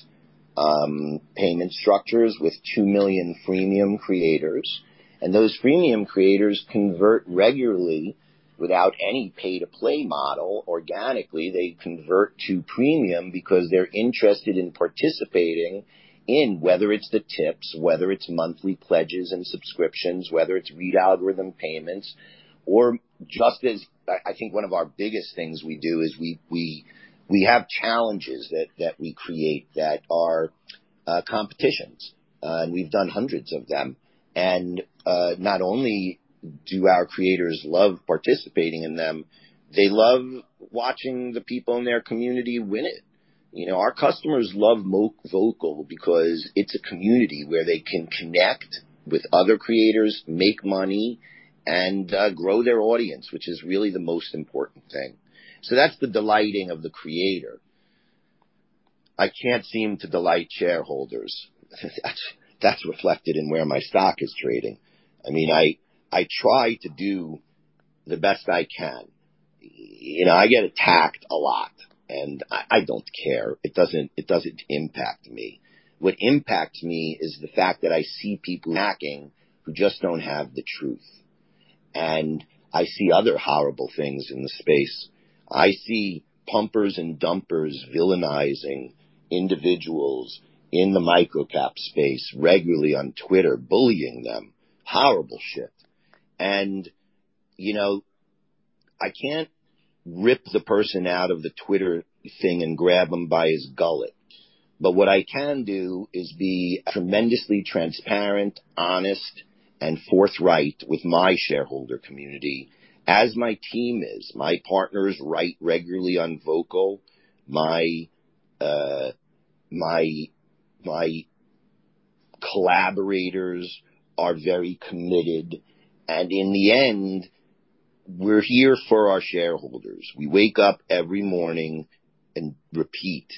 payment structures with 2 million freemium creators. Those freemium creators convert regularly without any pay-to-play model. Organically, they convert to premium because they're interested in participating in whether it's the tips, whether it's monthly pledges and subscriptions, whether it's read algorithm payments or just as... I, I think one of our biggest things we do is we, we, we have challenges that, that we create that are competitions, and we've done hundreds of them. Not only do our creators love participating in them, they love watching the people in their community win it. You know, our customers love Vocal because it's a community where they can connect with other creators, make money, and grow their audience, which is really the most important thing. That's the delighting of the creator. I can't seem to delight shareholders. That's, that's reflected in where my stock is trading. I mean, I, I try to do the best I can. You know, I get attacked a lot. I don't care. It doesn't, it doesn't impact me. What impacts me is the fact that I see people hacking, who just don't have the truth. I see other horrible things in the space. I see pumpers and dumpers villainizing individuals in the microcap space regularly on Twitter, bullying them. Horrible shit! You know, I can't rip the person out of the Twitter thing and grab him by his gullet. What I can do is be tremendously transparent, honest, and forthright with my shareholder community as my team is. My partners write regularly on Vocal. My collaborators are very committed, and in the end, we're here for our shareholders. We wake up every morning and repeat,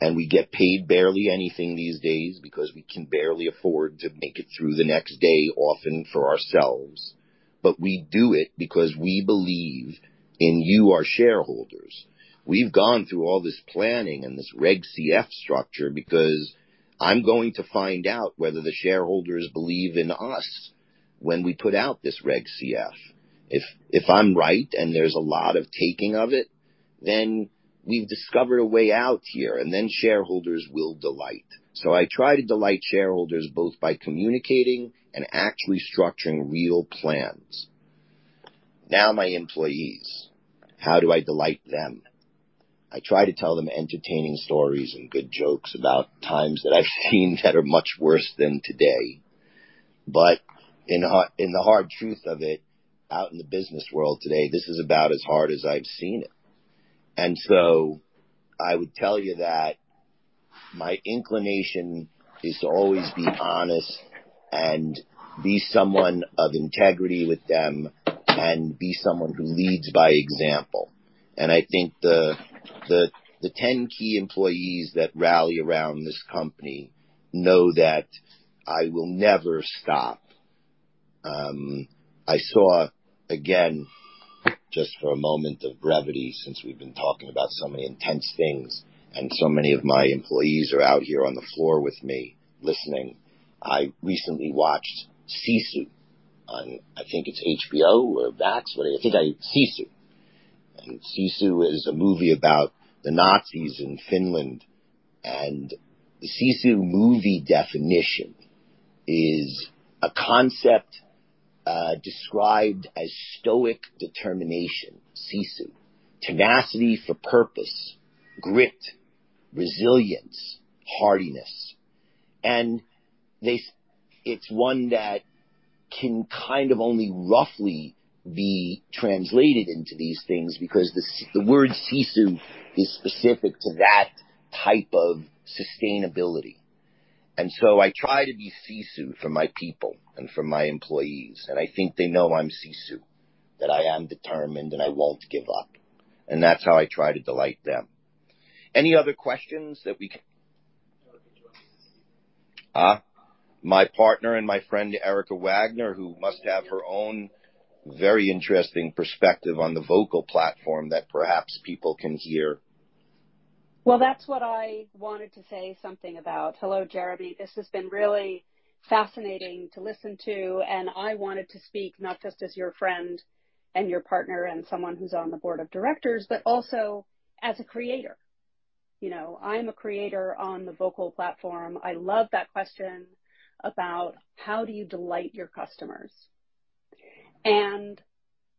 and we get paid barely anything these days because we can barely afford to make it through the next day, often for ourselves. We do it because we believe in you, our shareholders. We've gone through all this planning and this Reg CF structure because I'm going to find out whether the shareholders believe in us when we put out this Reg CF. If I'm right and there's a lot of taking of it, then we've discovered a way out here, and then shareholders will delight. I try to delight shareholders both by communicating and actually structuring real plans. Now, my employees, how do I delight them? I try to tell them entertaining stories and good jokes about times that I've seen that are much worse than today. In the, in the hard truth of it, out in the business world today, this is about as hard as I've seen it. I would tell you that my inclination is to always be honest and be someone of integrity with them, and be someone who leads by example. I think the, the, the 10 key employees that rally around this company know that I will never stop. I saw, again, just for a moment of brevity, since we've been talking about so many intense things, and so many of my employees are out here on the floor with me listening. I recently watched Sisu on, I think it's HBO or Max. I think I... Sisu. Sisu is a movie about the Nazis in Finland, and the Sisu movie definition is a concept described as stoic determination, Sisu, tenacity for purpose, grit, resilience, hardiness. It's one that can kind of only roughly be translated into these things, because the word Sisu is specific to that type of sustainability. I try to be Sisu for my people and for my employees, and I think they know I'm Sisu, that I am determined and I won't give up, and that's how I try to delight them. Any other questions that we can... Ah, my partner and my friend, Erica Wagner, who must have her own very interesting perspective on the Vocal platform that perhaps people can hear. Well, that's what I wanted to say something about. Hello, Jeremy. This has been really fascinating to listen to, I wanted to speak not just as your friend and your partner and someone who's on the board of directors, but also as a creator. You know, I'm a creator on the Vocal platform. I love that question about how do you delight your customers?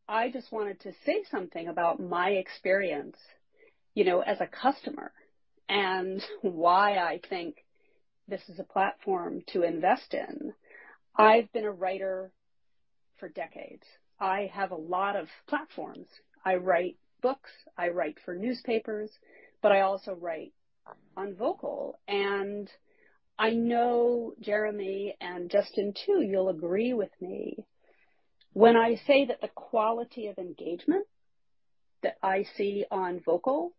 I just wanted to say something about my experience, you know, as a customer and why I think this is a platform to invest in. I've been a writer for decades. I have a lot of platforms. I write books, I write for newspapers, but I also write on Vocal. I know Jeremy and Justin, too, you'll agree with me when I say that the quality of engagement that I see on Vocal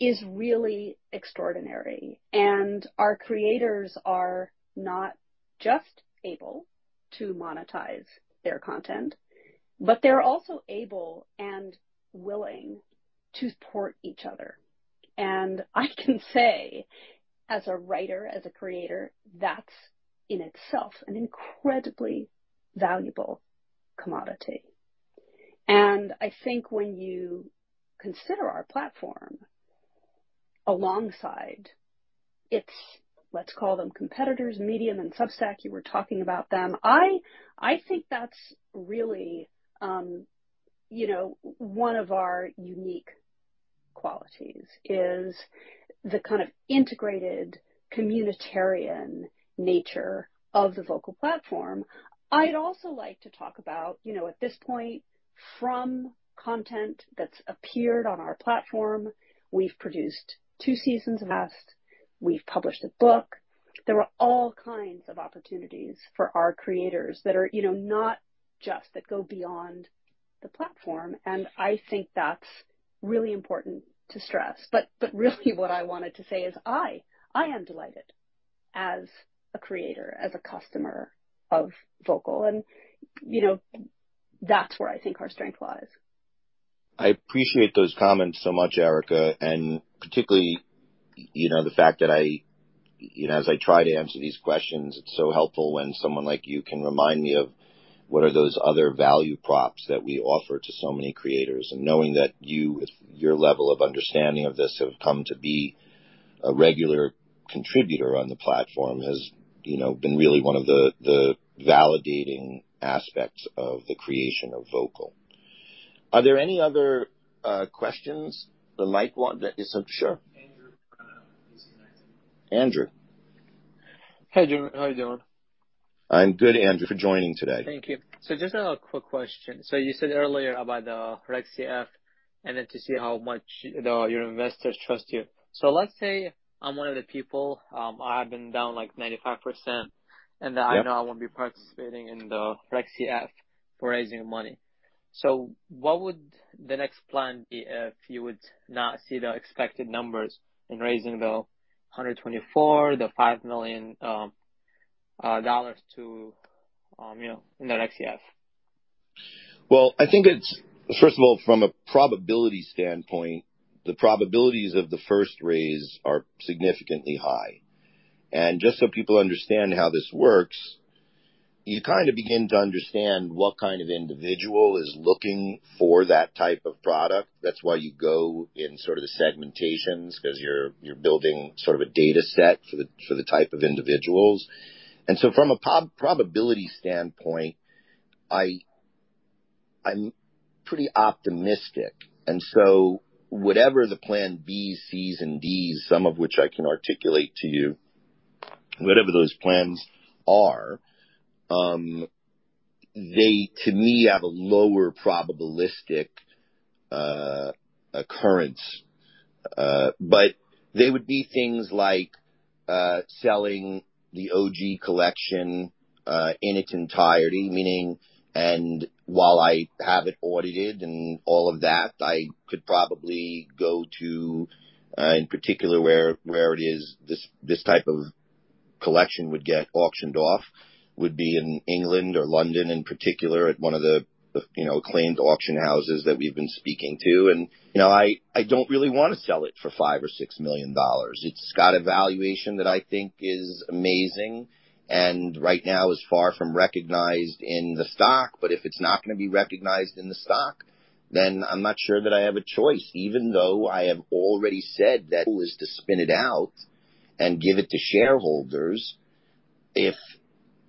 is really extraordinary, and our creators are not just able to monetize their content, but they're also able and willing to support each other. I can say, as a writer, as a creator, that's in itself an incredibly valuable commodity. I think when you consider our platform alongside its, let's call them competitors, Medium and Substack, you were talking about them. I, I think that's really, you know, one of our unique qualities, is the kind of integrated communitarian nature of the Vocal platform. I'd also like to talk about, you know, at this point, from content that's appeared on our platform, we've produced two seasons of Ask, we've published a book. There are all kinds of opportunities for our creators that are, you know, not just that go beyond the platform. I think that's really important to stress. Really what I wanted to say is I, I am delighted as a creator, as a customer of Vocal. You know, that's where I think our strength lies. I appreciate those comments so much, Erica. Particularly, you know, the fact that You know, as I try to answer these questions, it's so helpful when someone like you can remind me of what are those other value props that we offer to so many creators. Knowing that you, with your level of understanding of this, have come to be a regular contributor on the platform has, you know, been really one of the validating aspects of the creation of Vocal. Are there any other questions the mic want-- sure. Andrew. Andrew. Hey, Jeremy, how are you doing? I'm good, Andrew. For joining today. Thank you. Just a quick question. You said earlier about the Reg CF, and then to see how much, the, your investors trust you. Let's say I'm one of the people, I've been down, like, 95%, and then. Yep. I know I won't be participating in the Reg CF for raising money. What would the next plan be if you would not see the expected numbers in raising the $124,000, the $5 million dollars to, you know, in the Reg CF? Well, I think it's, first of all, from a probability standpoint, the probabilities of the first raise are significantly high. Just so people understand how this works, you kind of begin to understand what kind of individual is looking for that type of product. That's why you go in sort of the segmentations, because you're, you're building sort of a dataset for the, for the type of individuals. So from a prob-probability standpoint, I, I'm pretty optimistic. So whatever the plan Bs, Cs, and Ds, some of which I can articulate to you, whatever those plans are, they, to me, have a lower probabilistic, occurrence. They would be things like, selling the OG Collection, in its entirety, meaning, while I have it audited and all of that, I could probably go to, in particular, where, where it is, this, this type of collection would get auctioned off, would be in England or London in particular, at one of the, you know, acclaimed auction houses that we've been speaking to. I, you know, I, I don't really want to sell it for $5 million-$6 million. It's got a valuation that I think is amazing, and right now is far from recognized in the stock. If it's not going to be recognized in the stock, then I'm not sure that I have a choice, even though I have already said that is to spin it out and give it to shareholders. If,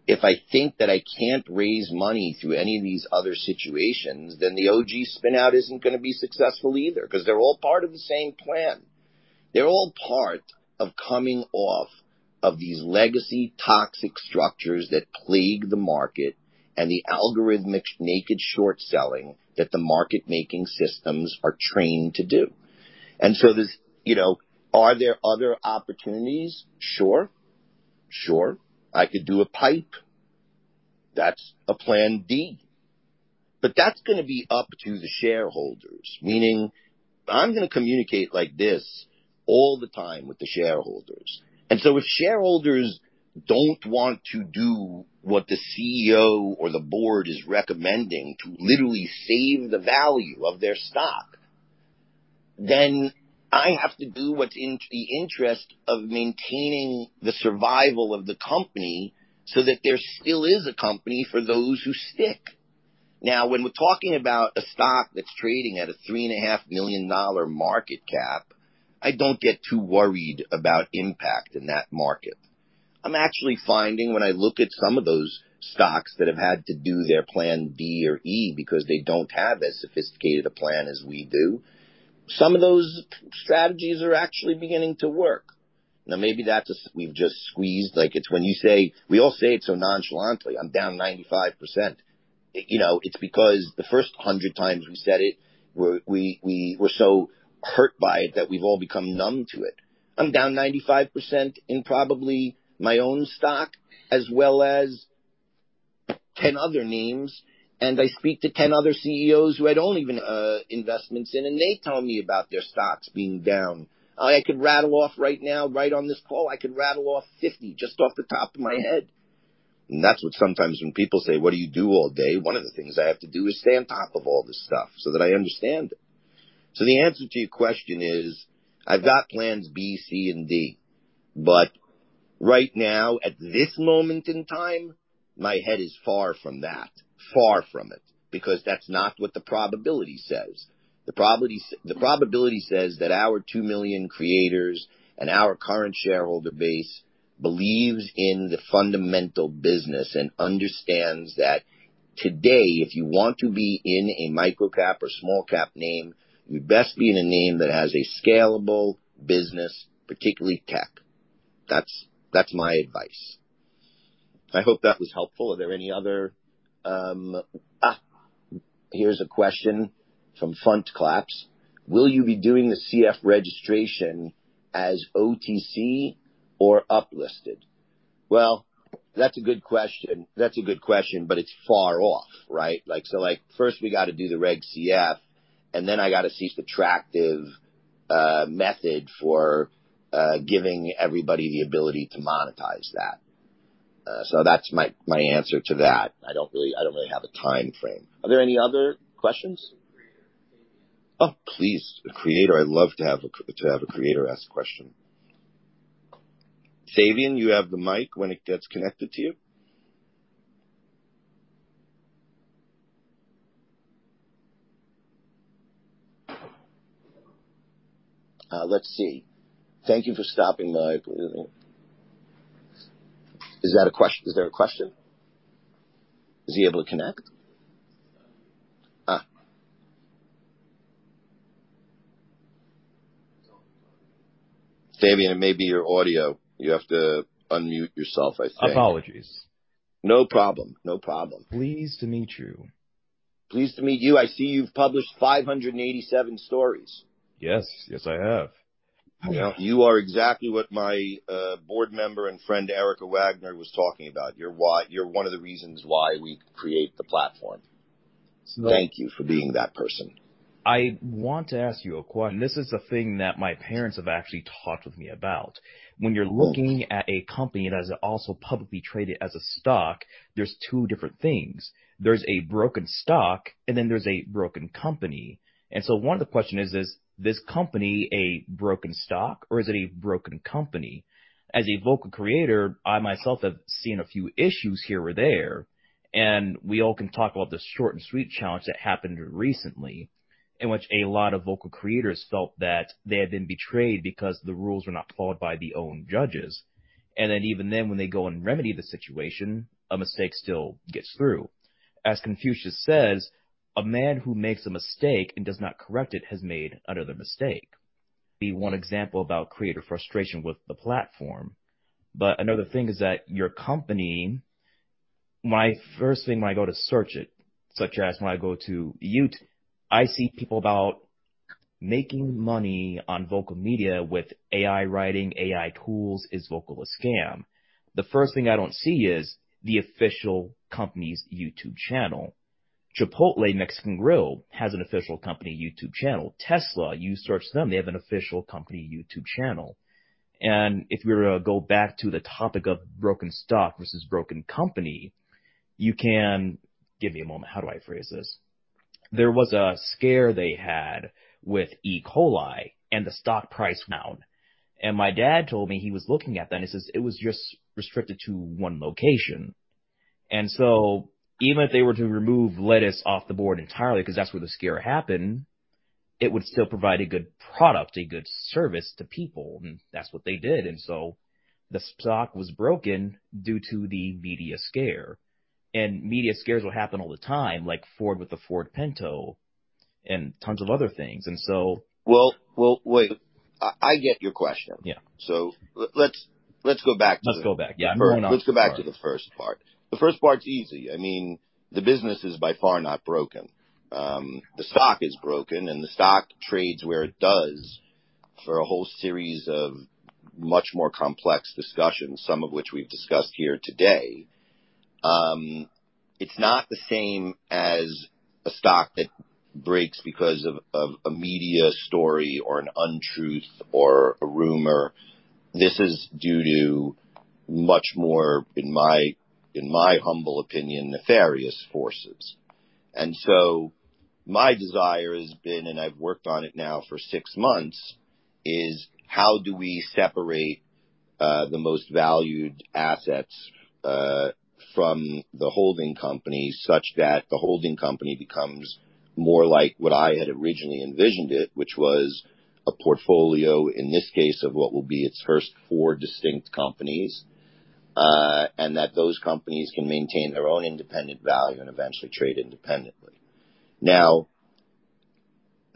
if I think that I can't raise money through any of these other situations, the OG spin out isn't going to be successful either, because they're all part of the same plan. They're all part of coming off of these legacy toxic structures that plague the market and the algorithmic naked short selling that the market making systems are trained to do. So there's, you know, are there other opportunities? Sure. Sure. I could do a PIPE. That's a plan D. That's going to be up to the shareholders. Meaning, I'm going to communicate like this all the time with the shareholders. If shareholders don't want to do what the CEO or the board is recommending to literally save the value of their stock, then I have to do what's in the interest of maintaining the survival of the company so that there still is a company for those who stick. When we're talking about a stock that's trading at a $3.5 million market cap, I don't get too worried about impact in that market. I'm actually finding when I look at some of those stocks that have had to do their plan B or E because they don't have as sophisticated a plan as we do, some of those strategies are actually beginning to work. Maybe that's just, we've just squeezed. Like it's when you say, we all say it so nonchalantly, "I'm down 95%." You know, it's because the first 100 times we said it, we were so hurt by it that we've all become numb to it. I'm down 95% in probably my own stock as well as 10 other names. I speak to 10 other CEOs who I don't even have investments in. They tell me about their stocks being down. I could rattle off right now, right on this call, I could rattle off 50, just off the top of my head. That's what sometimes when people say: "What do you do all day?" One of the things I have to do is stay on top of all this stuff so that I understand it. The answer to your question is, I've got plans B, C, and D, but right now, at this moment in time, my head is far from that. Far from it, because that's not what the probability says. The probability says that our 2 million creators and our current shareholder base believes in the fundamental business and understands that today, if you want to be in a micro-cap or small-cap name, you best be in a name that has a scalable business, particularly tech. That's, that's my advice. I hope that was helpful. Are there any other? Here's a question from Fund Claps. Will you be doing the CF registration as OTC or uplisted? That's a good question. That's a good question, but it's far off, right? First we got to do the Reg CF, then I got to see some attractive method for giving everybody the ability to monetize that. That's my, my answer to that. I don't really, I don't really have a timeframe. Are there any other questions? Please, a creator. I'd love to have a creator ask a question. Davian, you have the mic when it gets connected to you. Let's see. Thank you for stopping by. Is that a question? Is there a question? Is he able to connect? Ah. Davian, it may be your audio. You have to unmute yourself, I think. Apologies. No problem. No problem. Pleased to meet you. Pleased to meet you. I see you've published 587 stories. Yes. Yes, I have. You are exactly what my board member and friend, Erica Wagner, was talking about. You're why. You're one of the reasons why we create the platform. Thank you for being that person. I want to ask you a question. This is a thing that my parents have actually talked with me about. When you're looking at a company that is also publicly traded as a stock, there's two different things: There's a broken stock, and then there's a broken company. One of the question is, is this company a broken stock or is it a broken company? As a Vocal creator, I myself have seen a few issues here or there, and we all can talk about the Short & Sweet Challenge that happened recently, in which a lot of Vocal creators felt that they had been betrayed because the rules were not followed by the own judges. Even then, when they go and remedy the situation, a mistake still gets through. As Confucius says, "A man who makes a mistake and does not correct it has made another mistake." Be one example about creator frustration with the platform, but another thing is that your company, my first thing when I go to search it, such as when I go to YouTube, I see people about making money on Vocal Media with AI writing, AI tools, is Vocal a scam? The first thing I don't see is the official company's YouTube channel. Chipotle Mexican Grill has an official company YouTube channel. Tesla, you search them, they have an official company YouTube channel. If we were to go back to the topic of broken stock versus broken company, you can... Give me a moment. How do I phrase this? There was a scare they had with E. coli, and the stock price went down. My dad told me he was looking at that, and he says it was just restricted to one location. Even if they were to remove lettuce off the board entirely, because that's where the scare happened, it would still provide a good product, a good service to people, and that's what they did. The stock was broken due to the media scare. Media scares will happen all the time, like Ford with the Ford Pinto and tons of other things. Well, well, wait. I, I get your question. Yeah. Let's, let's go back to- Let's go back. Yeah, why don't I- Let's go back to the first part. The first part's easy. I mean, the business is by far not broken. The stock is broken, the stock trades where it does for a whole series of much more complex discussions, some of which we've discussed here today. It's not the same as a stock that breaks because of, of a media story or an untruth or a rumor. This is due to much more, in my, in my humble opinion, nefarious forces. My desire has been, and I've worked on it now for six months, is: How do we separate the most valued assets from the holding company, such that the holding company becomes more like what I had originally envisioned it, which was a portfolio, in this case, of what will be its first four distinct companies, and that those companies can maintain their own independent value and eventually trade independently?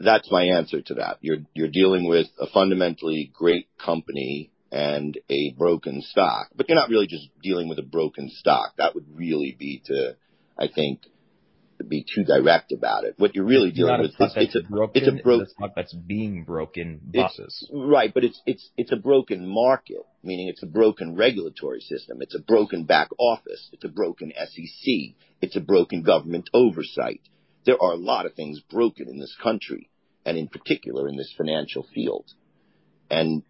That's my answer to that. You're, you're dealing with a fundamentally great company and a broken stock, but you're not really just dealing with a broken stock. That would really be to... I think, to be too direct about it. What you're really dealing with... It's a broken- It's a broke- That's being broken bosses. Right, but it's, it's, it's a broken market, meaning it's a broken regulatory system. It's a broken back office. It's a broken SEC. It's a broken government oversight. There are a lot of things broken in this country and in particular in this financial field, and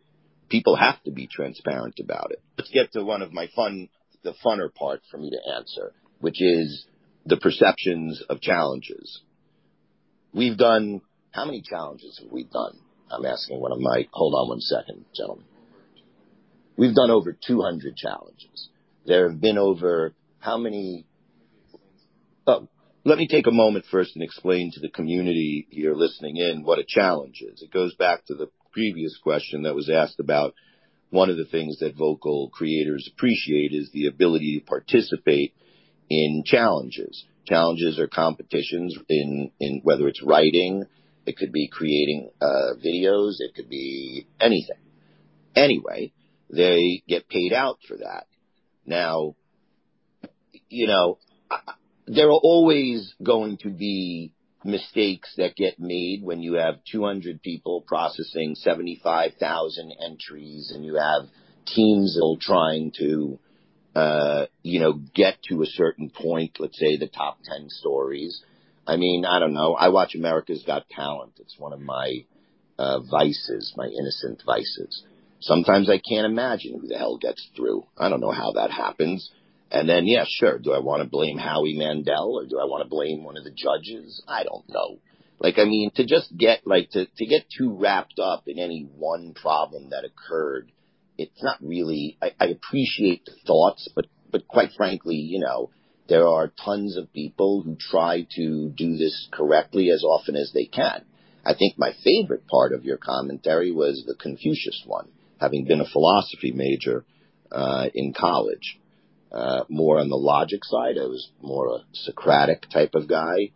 people have to be transparent about it. Let's get to one of my fun, the funner part for me to answer, which is the perceptions of challenges. We've done... How many challenges have we done? I'm asking one of my... Hold on one second, gentlemen. We've done over 200 challenges. There have been over how many- Oh, let me take a moment first and explain to the community here listening in, what a challenge is. It goes back to the previous question that was asked about one of the things that Vocal creators appreciate is the ability to participate in challenges. Challenges are competitions in whether it's writing, it could be creating videos, it could be anything. Anyway, they get paid out for that. Now, you know, there are always going to be mistakes that get made when you have 200 people processing 75,000 entries, and you have teens all trying to, you know, get to a certain point, let's say the top 10 stories. I mean, I don't know. I watch America's Got Talent. It's one of my vices, my innocent vices. Sometimes I can't imagine who the hell gets through. I don't know how that happens. Yeah, sure. Do I wanna blame Howie Mandel, or do I wanna blame one of the judges? I don't know. I mean, to just get, like, to get too wrapped up in any one problem that occurred, it's not really... I, I appreciate the thoughts, but, but quite frankly, you know, there are tons of people who try to do this correctly as often as they can. I think my favorite part of your commentary was the Confucius one, having been a philosophy major, in college. More on the logic side, I was more a Socratic type of guy.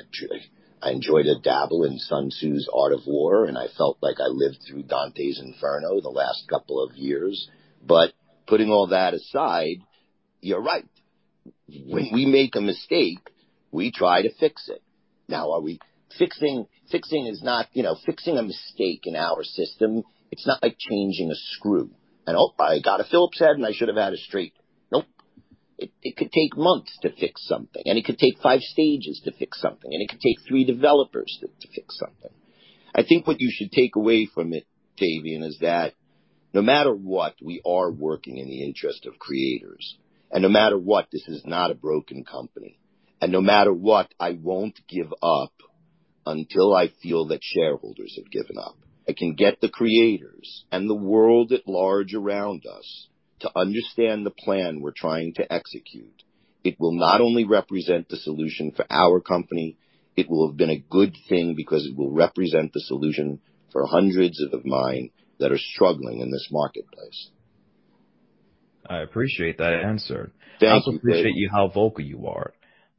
Actually, I enjoyed a dabble in Sun Tzu's The Art of War, and I felt like I lived through Dante's Inferno the last couple of years. Putting all that aside, you're right. When we make a mistake, we try to fix it. Now, are we fixing? Fixing is not, you know, fixing a mistake in our system, it's not like changing a screw. Oh, I got a Phillips head, and I should have had a straight. Nope. It could take months to fix something, and it could take five stages to fix something, and it could take three developers to fix something. I think what you should take away from it, Davian, is that no matter what, we are working in the interest of creators, and no matter what, this is not a broken company, and no matter what, I won't give up until I feel that shareholders have given up. I can get the creators and the world at large around us to understand the plan we're trying to execute. It will not only represent the solution for our company, it will have been a good thing because it will represent the solution for hundreds of mine that are struggling in this marketplace. I appreciate that answer. I also appreciate you, how vocal you are,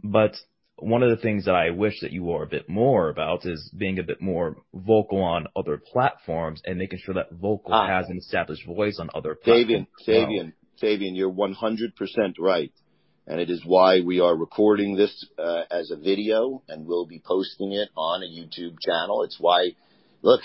but one of the things that I wish that you were a bit more about is being a bit more vocal on other platforms and making sure that Vocal has an established voice on other platforms. Davian, Davian, Davian, you're 100% right. It is why we are recording this as a video, and we'll be posting it on a YouTube channel. It's why. Look,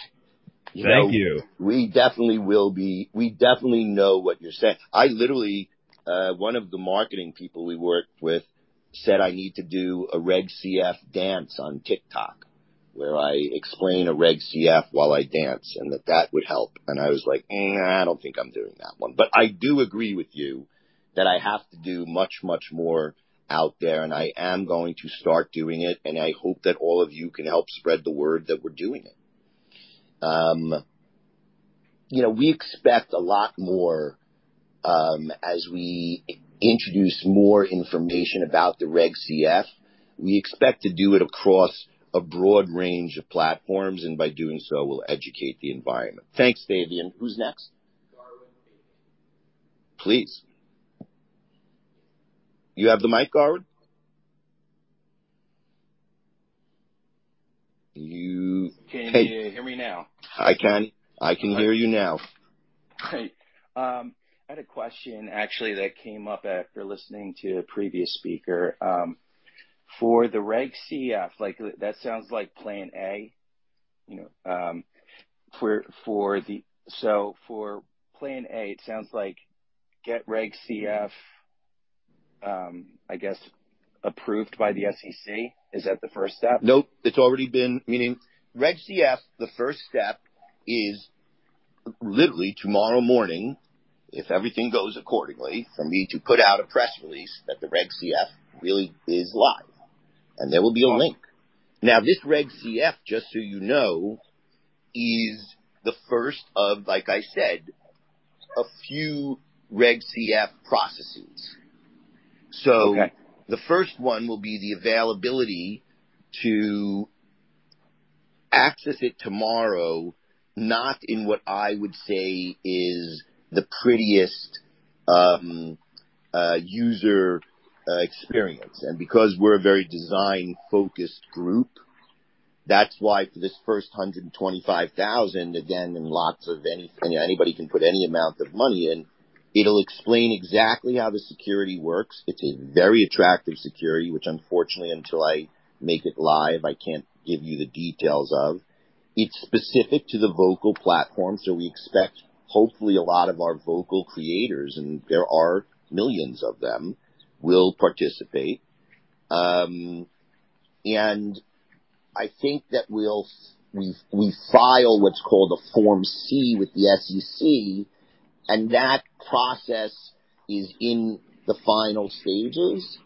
you know. Thank you. We definitely will be. We definitely know what you're saying. I literally, one of the marketing people we work with said I need to do a Reg CF dance on TikTok, where I explain a Reg CF while I dance, and that that would help. I was like, "Eh, I don't think I'm doing that one." I do agree with you that I have to do much, much more out there, and I am going to start doing it, and I hope that all of you can help spread the word that we're doing it. You know, we expect a lot more, as we introduce more information about the Reg CF. We expect to do it across a broad range of platforms, and by doing so, we'll educate the environment. Thanks, Davian. Who's next? Garwin. Please. You have the mic, Garwin? You- Can you hear me now? I can. I can hear you now. Great. I had a question, actually, that came up after listening to a previous speaker. For the Reg CF, like, that sounds like plan A, you know, for plan A, it sounds like get Reg CF, I guess, approved by the SEC. Is that the first step? Nope. It's already been... Meaning Reg CF, the first step is literally tomorrow morning, if everything goes accordingly, for me to put out a press release that the Reg CF really is live, and there will be a link. This Reg CF, just so you know, is the first of, like I said, a few Reg CF processes. Okay. The first will be the availability to access it tomorrow, not in what I would say is the prettiest user experience. Because we're a very design-focused group, that's why for this first $125,000, again, and lots of anybody can put any amount of money in, it'll explain exactly how the security works. It's a very attractive security, which unfortunately, until I make it live, I can't give you the details of. It's specific to the Vocal platform, so we expect hopefully a lot of our Vocal creators, and there are millions of them, will participate. I think that we'll, we, we file what's called a Form C with the SEC, and that process is in the final stages,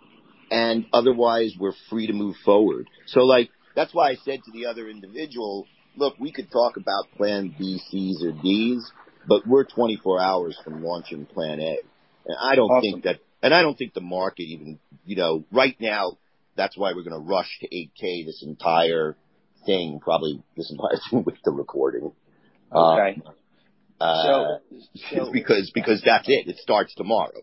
and otherwise, we're free to move forward. Like, that's why I said to the other individual, "Look, we could talk about plan Bs, Cs, or Ds, but we're 24 hours from launching plan A. Awesome. I don't think that... I don't think the market even, you know, right now, that's why we're going to rush to Form 8-K this entire thing, probably this might be with the recording. Okay. Because, because that's it. It starts tomorrow.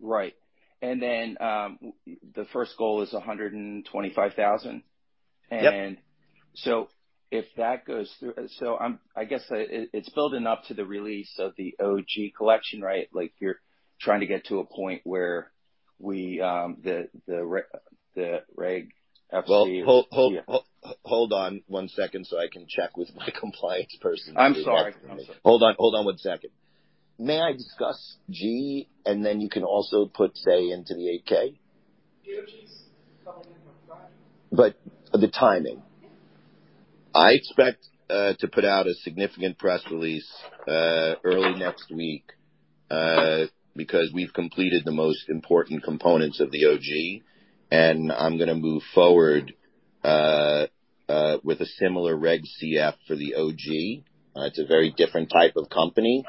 Right. Then, the first goal is $125,000? Yep. If that goes through... I'm, I guess, it, it's building up to the release of the OG Collection, right? Like, you're trying to get to a point where we, the, the Regulation CF- Well, hold on one second so I can check with my compliance person. I'm sorry. Hold on. Hold on one second. May I discuss G, and then you can also put, say, into the Form 8-K? OG is coming in from 5. The timing. Yeah. I expect to put out a significant press release early next week because we've completed the most important components of the OG, and I'm going to move forward with a similar Reg CF for the OG. It's a very different type of company.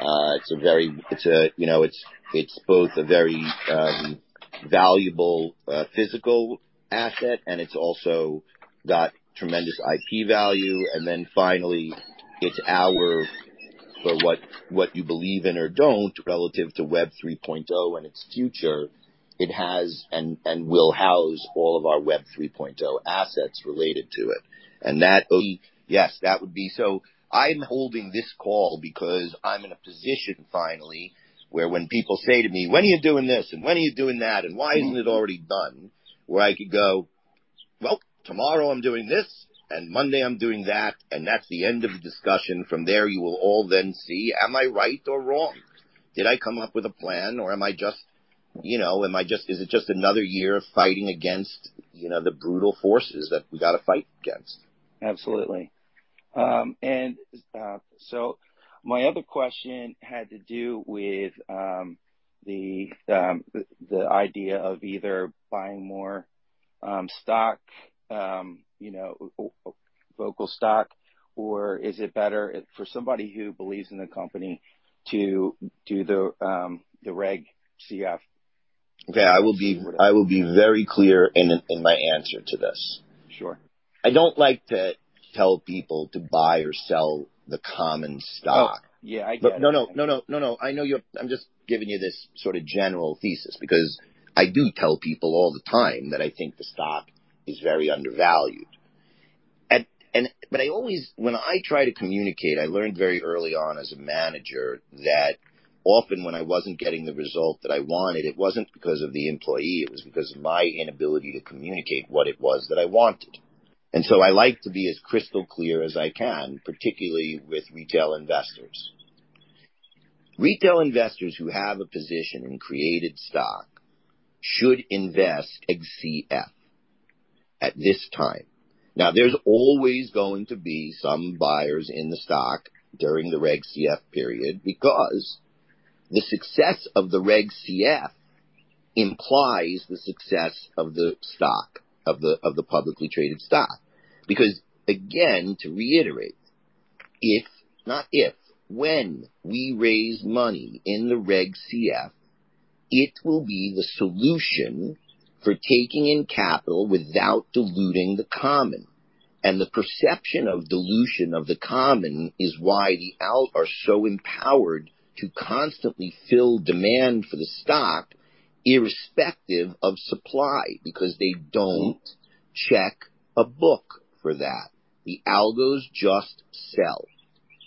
It's a very, it's a, you know, it's, it's both a very valuable physical asset, and it's also got tremendous IP value. Finally, it's our, for what, what you believe in or don't, relative to Web 3.0 and its future, it has and, and will house all of our Web 3.0 assets related to it. I'm holding this call because I'm in a position finally, where when people say to me: "When are you doing this? When are you doing that, and why isn't it already done?" Well, tomorrow I'm doing this, and Monday I'm doing that, and that's the end of the discussion. From there, you will all then see, am I right or wrong? Did I come up with a plan, or am I just, you know, is it just another year of fighting against, you know, the brutal forces that we gotta fight against? Absolutely. My other question had to do with the the idea of either buying more stock, you know, Vocal stock, or is it better for somebody who believes in the company to do the Reg CF? Okay, I will be, I will be very clear in, in my answer to this. Sure. I don't like to tell people to buy or sell the common stock. Oh, yeah, I get it. No, no, no, no, no, I know you're... I'm just giving you this sort of general thesis because I do tell people all the time that I think the stock is very undervalued. I always, when I try to communicate, I learned very early on as a manager that often when I wasn't getting the result that I wanted, it wasn't because of the employee, it was because of my inability to communicate what it was that I wanted. So I like to be as crystal clear as I can, particularly with retail investors. Retail investors who have a position in Creatd stock should invest in CF at this time. Now, there's always going to be some buyers in the stock during the Reg CF period, because the success of the Reg CF implies the success of the stock, of the, of the publicly traded stock. Because, again, to reiterate, if, not if, when we raise money in the Reg CF, it will be the solution for taking in capital without diluting the common. The perception of dilution of the common is why the algos are so empowered to constantly fill demand for the stock, irrespective of supply, because they don't check a book for that. The algos just sell.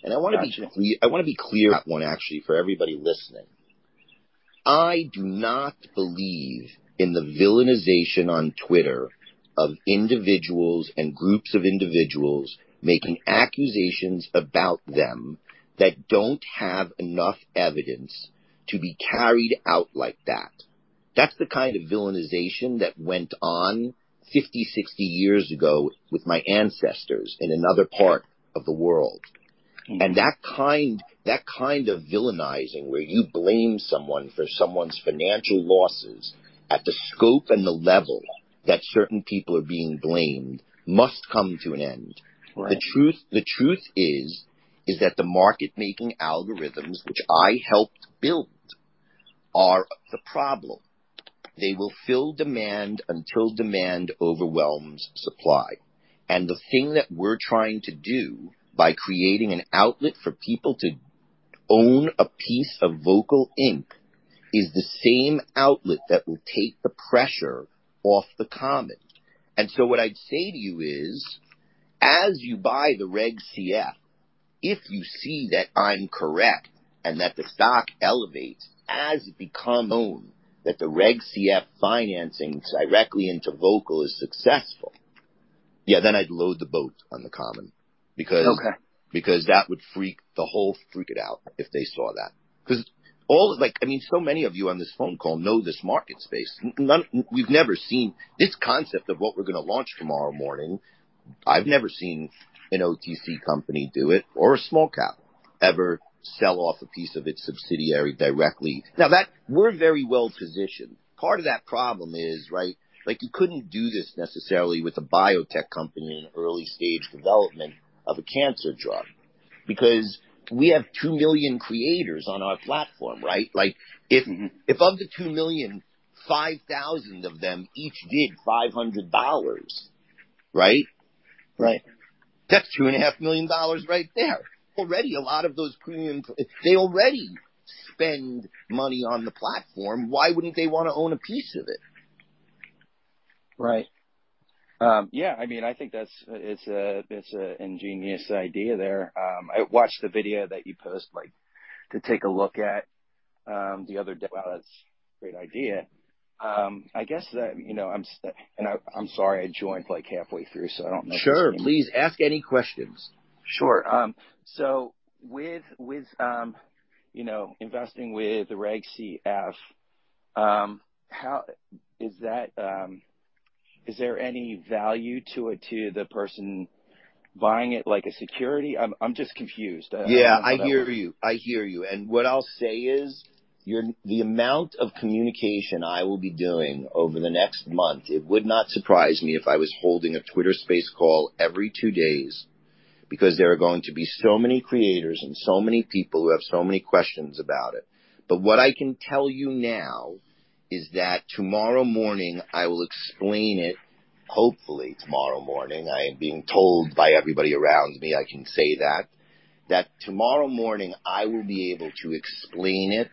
Got you. I want to be clear, I want to be clear on one, actually, for everybody listening. I do not believe in the villainization on Twitter of individuals and groups of individuals making accusations about them that don't have enough evidence to be carried out like that. That's the kind of villainization that went on 50, 60 years ago with my ancestors in another part of the world. That kind, that kind of villainizing, where you blame someone for someone's financial losses at the scope and the level that certain people are being blamed, must come to an end. Right. The truth, the truth is, is that the market-making algorithms, which I helped build, are the problem. They will fill demand until demand overwhelms supply. The thing that we're trying to do by creating an outlet for people to own a piece of Vocal, Inc., is the same outlet that will take the pressure off the common. What I'd say to you is, as you buy the Reg CF, if you see that I'm correct and that the stock elevates as it becomes known that the Reg CF financing directly into Vocal is successful, yeah, then I'd load the boat on the common, because- Okay. -because that would freak the whole, freak it out if they saw that. Because all of, like, I mean, so many of you on this phone call know this market space. We've never seen... This concept of what we're going to launch tomorrow morning, I've never seen an OTC company do it, or a small cap ever sell off a piece of its subsidiary directly. Now, we're very well positioned. Part of that problem is, right, like, you couldn't do this necessarily with a biotech company in early stage development of a cancer drug, because we have 2 million creators on our platform, right? Like, if of the $2 million, 5,000 of them each did $500, right? Right. That's $2.5 million right there. Already, a lot of those creators, if they already spend money on the platform, why wouldn't they want to own a piece of it? Right. Yeah, I mean, I think that's, it's a, it's an ingenious idea there. I watched the video that you posted, like, to take a look at, the other day. Wow, that's a great idea. I guess that, you know, I'm sorry, I joined, like, halfway through, so I don't know. Sure. Please, ask any questions. Sure. With, with, you know, investing with the Reg CF, is there any value to it, to the person buying it like a security? I'm, I'm just confused. Yeah, I hear you. I hear you. What I'll say is, the amount of communication I will be doing over the next month, it would not surprise me if I was holding a Twitter Space call every two days, because there are going to be so many creators and so many people who have so many questions about it. What I can tell you now is that tomorrow morning, I will explain it, hopefully tomorrow morning. I am being told by everybody around me, I can say that, that tomorrow morning I will be able to explain it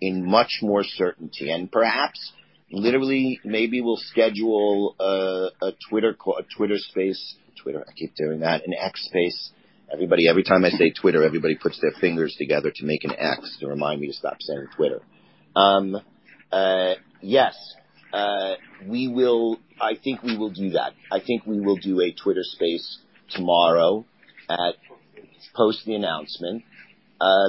in much more certainty. Perhaps, literally, maybe we'll schedule a Twitter Space. Twitter, I keep doing that, an X Space. Everybody every time I say Twitter, everybody puts their fingers together to make an X to remind me to stop saying Twitter. Yes, we will, I think we will do that. I think we will do a Twitter Space tomorrow post the announcement. I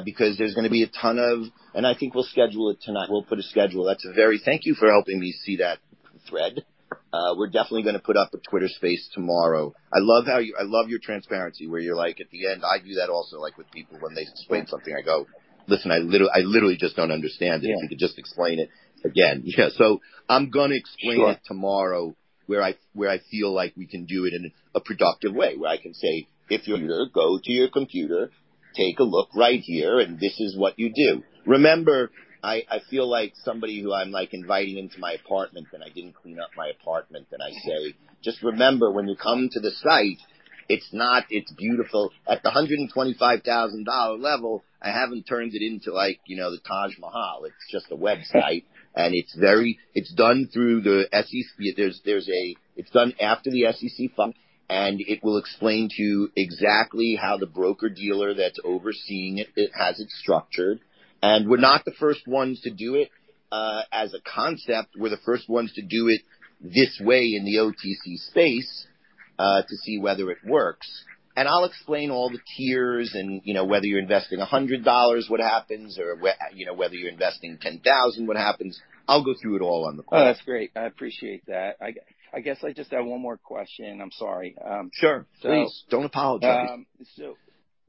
think we'll schedule it tonight. We'll put a schedule. Thank you for helping me see that thread. We're definitely gonna put up a Twitter Space tomorrow. I love how you, I love your transparency, where you're like, at the end, I do that also, like, with people when they explain something, I go, "Listen, I literally, I literally just don't understand it. If you could just explain it again." Yeah, I'm gonna explain it tomorrow. Sure. -where I, where I feel like we can do it in a productive way, where I can say, "If you're, go to your computer, take a look right here, and this is what you do." Remember, I, I feel like somebody who I'm, like, inviting into my apartment, and I didn't clean up my apartment, and I say, "Just remember, when you come to the site, it's not, it's beautiful." At the $125,000 level, I haven't turned it into, like, you know, the Taj Mahal. It's just a website, and it's very... It's done through the SEC-- there's, there's a, it's done after the SEC file, and it will explain to you exactly how the broker-dealer that's overseeing it, it has it structured. We're not the first ones to do it as a concept. We're the first ones to do it this way in the OTC space, to see whether it works. I'll explain all the tiers and, you know, whether you're investing $100, what happens, or you know, whether you're investing $10,000, what happens. I'll go through it all on the call. Oh, that's great. I appreciate that. I guess I just have one more question. I'm sorry. Sure, please. Don't apologize.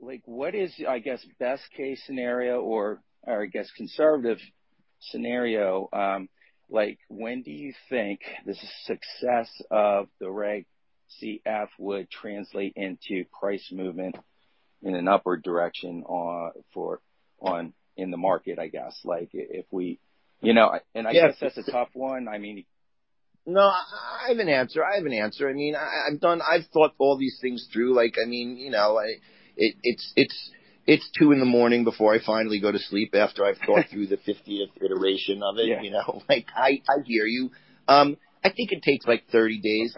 Like, what is, I guess, best case scenario or, or I guess, conservative scenario, like, when do you think the success of the Reg CF would translate into price movement in an upward direction, for, on, in the market, I guess? Like, if we, you know, and I guess that's a tough one. I mean... No, I, I have an answer. I have an answer. I mean, I, I've done... I've thought all these things through, like, I mean, you know, I, it, it's, it's, it's 2:00 in the morning before I finally go to sleep after I've thought through the 50th iteration of it. Yeah. You know, like, I hear you. I think it takes, like, 30 days.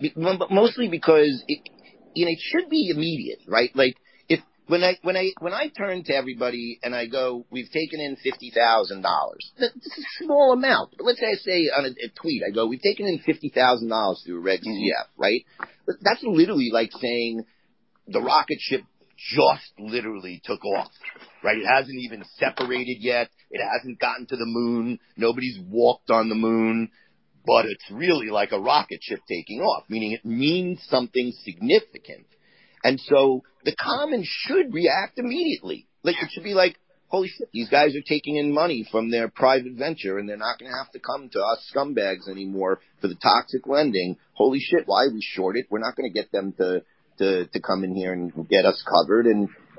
Right. Mostly because it, you know, it should be immediate, right? Like, if when I, when I, when I turn to everybody and I go, "We've taken in $50,000," this is a small amount. Let's say I say on a, a tweet, I go, "We've taken in $50,000 through Reg CF," right? That's literally like saying the rocket ship just literally took off, right? It hasn't even separated yet. It hasn't gotten to the moon. Nobody's walked on the moon, but it's really like a rocket ship taking off, meaning it means something significant, and so the commons should react immediately. Yeah. Like, it should be like, "Holy shit, these guys are taking in money from their private venture, and they're not gonna have to come to us scumbags anymore for the toxic lending. Holy shit, why have we short it? We're not gonna get them to come in here and get us covered."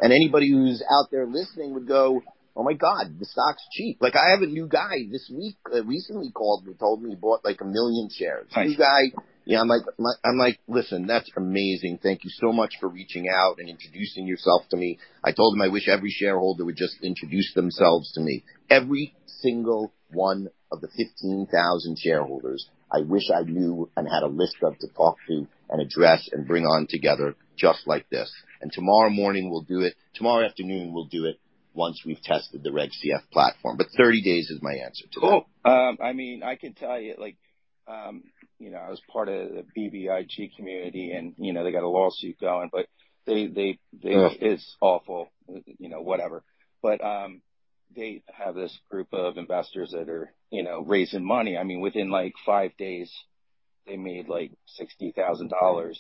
Anybody who's out there listening would go, "Oh, my God, the stock's cheap." Like, I have a new guy this week, recently called me, told me he bought, like, 1 million shares. Right. New guy. Yeah, I'm like, I'm like: "Listen, that's amazing. Thank you so much for reaching out and introducing yourself to me." I told him I wish every shareholder would just introduce themselves to me. Every single one of the 15,000 shareholders, I wish I knew and had a list of to talk to and address and bring on together just like this. Tomorrow morning, we'll do it. Tomorrow afternoon, we'll do it once we've tested the Reg CF platform. 30 days is my answer to that. Cool. I mean, I can tell you, like, you know, I was part of the BBIG community, and, you know, they got a lawsuit going, but they. Yeah. It's awful, you know, whatever. They have this group of investors that are, you know, raising money. I mean, within, like, five days, they made, like, $60,000,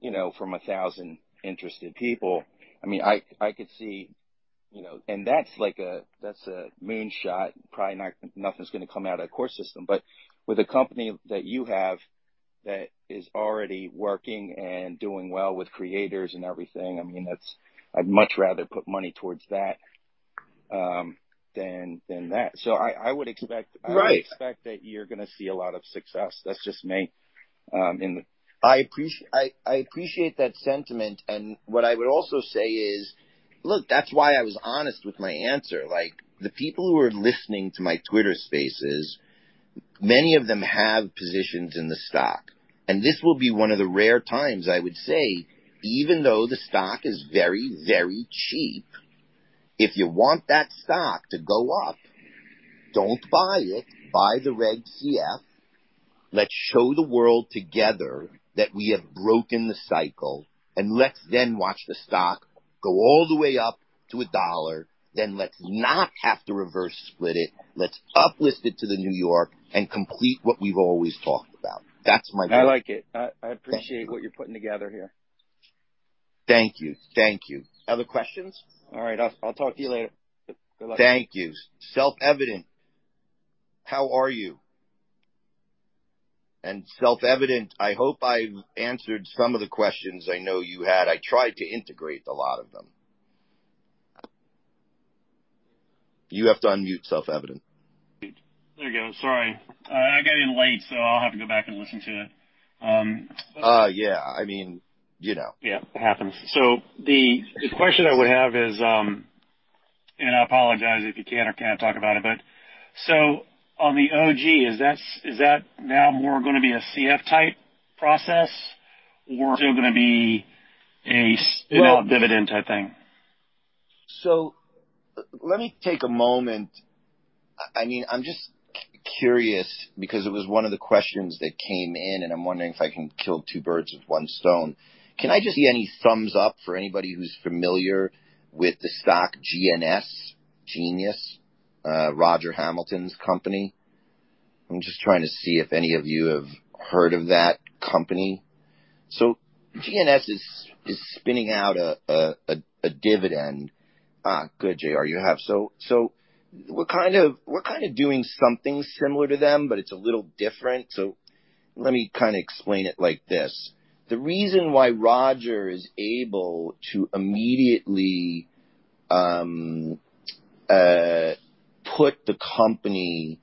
you know, from 1,000 interested people. I mean, I, I could see, you know, and that's like a, that's a moonshot. Probably not, nothing's gonna come out of court systems. With a company that you have that is already working and doing well with creators and everything, I mean, that's... I'd much rather put money towards that than, than that. I, I would expect- Right. I would expect that you're gonna see a lot of success. That's just me, in the. I appreciate that sentiment. What I would also say is: Look, that's why I was honest with my answer. Like, the people who are listening to my Twitter spaces, many of them have positions in the stock. This will be one of the rare times I would say, even though the stock is very, very cheap, if you want that stock to go up, don't buy it. Buy the Reg CF. Let's show the world together that we have broken the cycle. Let's then watch the stock go all the way up to $1. Let's not have to reverse split it. Let's uplist it to the New York and complete what we've always talked about. That's my goal. I like it. I, I appreciate- Thank you. what you're putting together here. Thank you. Thank you. Other questions? All right, I'll, I'll talk to you later. Good luck. Thank you. Self Evident, how are you? Self Evident, I hope I've answered some of the questions I know you had. I tried to integrate a lot of them. You have to unmute, Self Evident. There you go. Sorry. I got in late, so I'll have to go back and listen to it. Yeah, I mean, you know. Yeah, it happens. The, the question I would have is, and I apologize if you can't or can't talk about it, but on the OG, is that now more going to be a CF-type process or still gonna be a? Well- dividend-type thing? Let me take a moment. I, I mean, I'm just curious because it was one of the questions that came in, and I'm wondering if I can kill two birds with one stone. Can I just see any thumbs up for anybody who's familiar with the stock GNS, Genius, Roger Hamilton's company? I'm just trying to see if any of you have heard of that company. GNS is spinning out a dividend. Ah, good, J.R., you have. We're kind of doing something similar to them, but it's a little different. Let me kind of explain it like this. The reason why Roger is able to immediately put the company,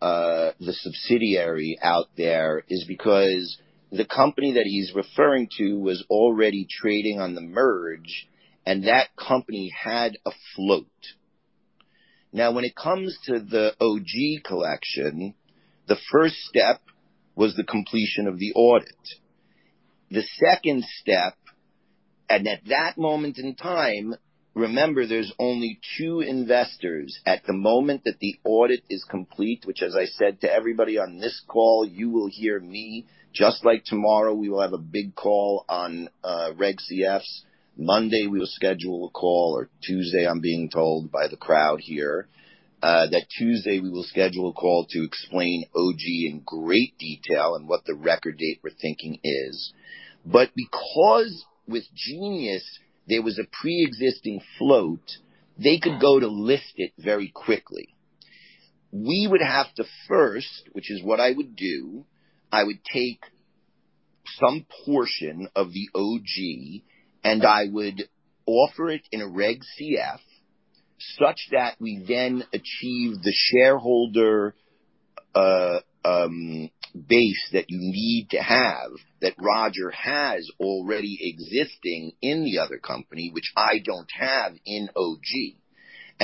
the subsidiary out there is because the company that he's referring to was already trading on the merge, and that company had a float. Now, when it comes to the OG Collection, the first step was the completion of the audit. The second step, at that moment in time, remember, there's only two investors at the moment that the audit is complete, which, as I said to everybody on this call, you will hear me just like tomorrow, we will have a big call on Reg CFs. Monday, we will schedule a call, or Tuesday, I'm being told by the crowd here, that Tuesday we will schedule a call to explain OG in great detail and what the record date we're thinking is. Because with Genius Group, there was a pre-existing float, they could go to list it very quickly. We would have to first, which is what I would do, I would take some portion of the OG, and I would offer it in a Reg CF, such that we then achieve the shareholder, base that you need to have, that Roger has already existing in the other company, which I don't have in OG.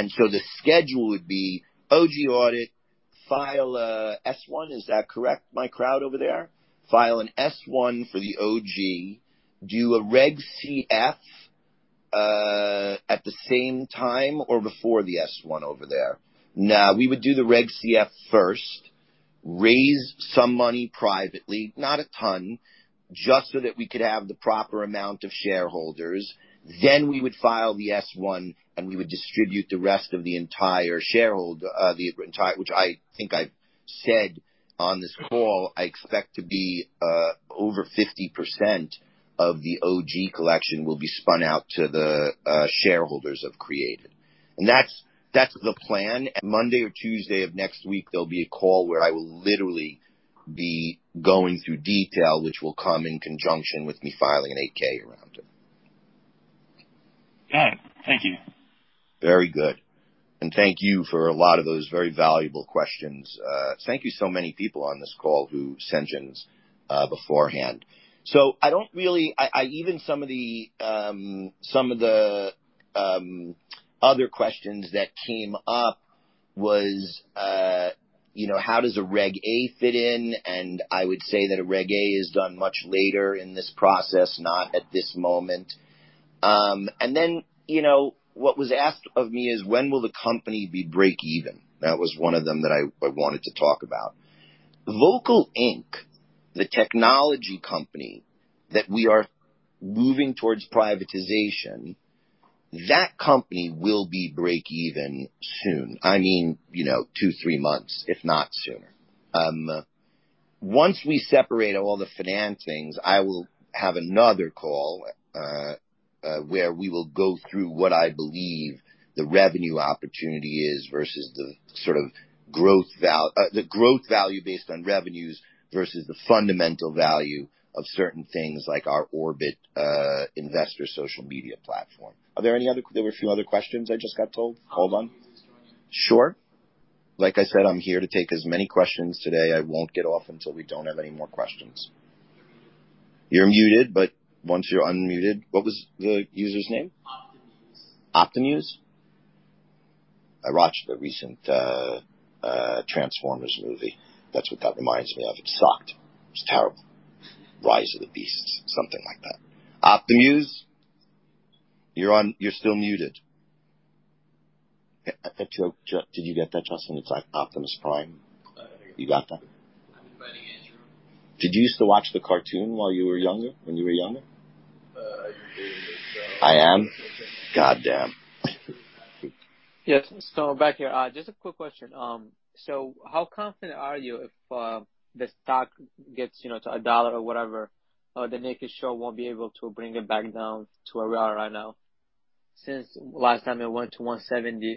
So the schedule would be OG audit, file, S-1, is that correct, my crowd over there? File an S-1 for the OG, do a Reg CF, at the same time or before the S-1 over there. We would do the Reg CF first, raise some money privately, not a ton, just so that we could have the proper amount of shareholders. We would file the S-1, and we would distribute the rest of the entire shareholder, the entire... Which I think I've said on this call, I expect to be, over 50% of the OG Collection will be spun out to the, shareholders of Creatd. That's, that's the plan. Monday or Tuesday of next week, there'll be a call where I will literally be going through detail, which will come in conjunction with me filing an Form 8-K around it. Got it. Thank you. Very good, thank you for a lot of those very valuable questions. Thank you so many people on this call who sent in beforehand. I don't really, even some of the other questions that came up was, you know, how does a Reg A fit in? I would say that a Reg A is done much later in this process, not at this moment. You know, what was asked of me is: when will the company be breakeven? That was one of them that I wanted to talk about. Vocal, Inc., the technology company that we are moving towards privatization, that company will be breakeven soon. I mean, you know, two, three months, if not sooner. Once we separate all the financings, I will have another call, where we will go through what I believe the revenue opportunity is versus the sort of growth val- the growth value based on revenues versus the fundamental value of certain things like our Orbit investor social media platform. Are there any other, there were a few other questions I just got told. Hold on. Sure. Like I said, I'm here to take as many questions today. I won't get off until we don't have any more questions. You're muted, but once you're unmuted, what was the user's name? Optimus. Optimus? I watched the recent Transformers movie. That's what that reminds me of. It sucked. It was terrible. Rise of the Beasts, something like that. Optimus, you're on, you're still muted. A joke. Did you get that, Justin? It's like Optimus Prime. I hear you. You got that? I'm inviting Andrew. Did you used to watch the cartoon while you were younger, when you were younger? I do. I am? Goddamn. Yes, back here, just a quick question. How confident are you if, the stock gets, you know, to $1 or whatever, the naked short won't be able to bring it back down to where we are right now, since last time it went to $1.70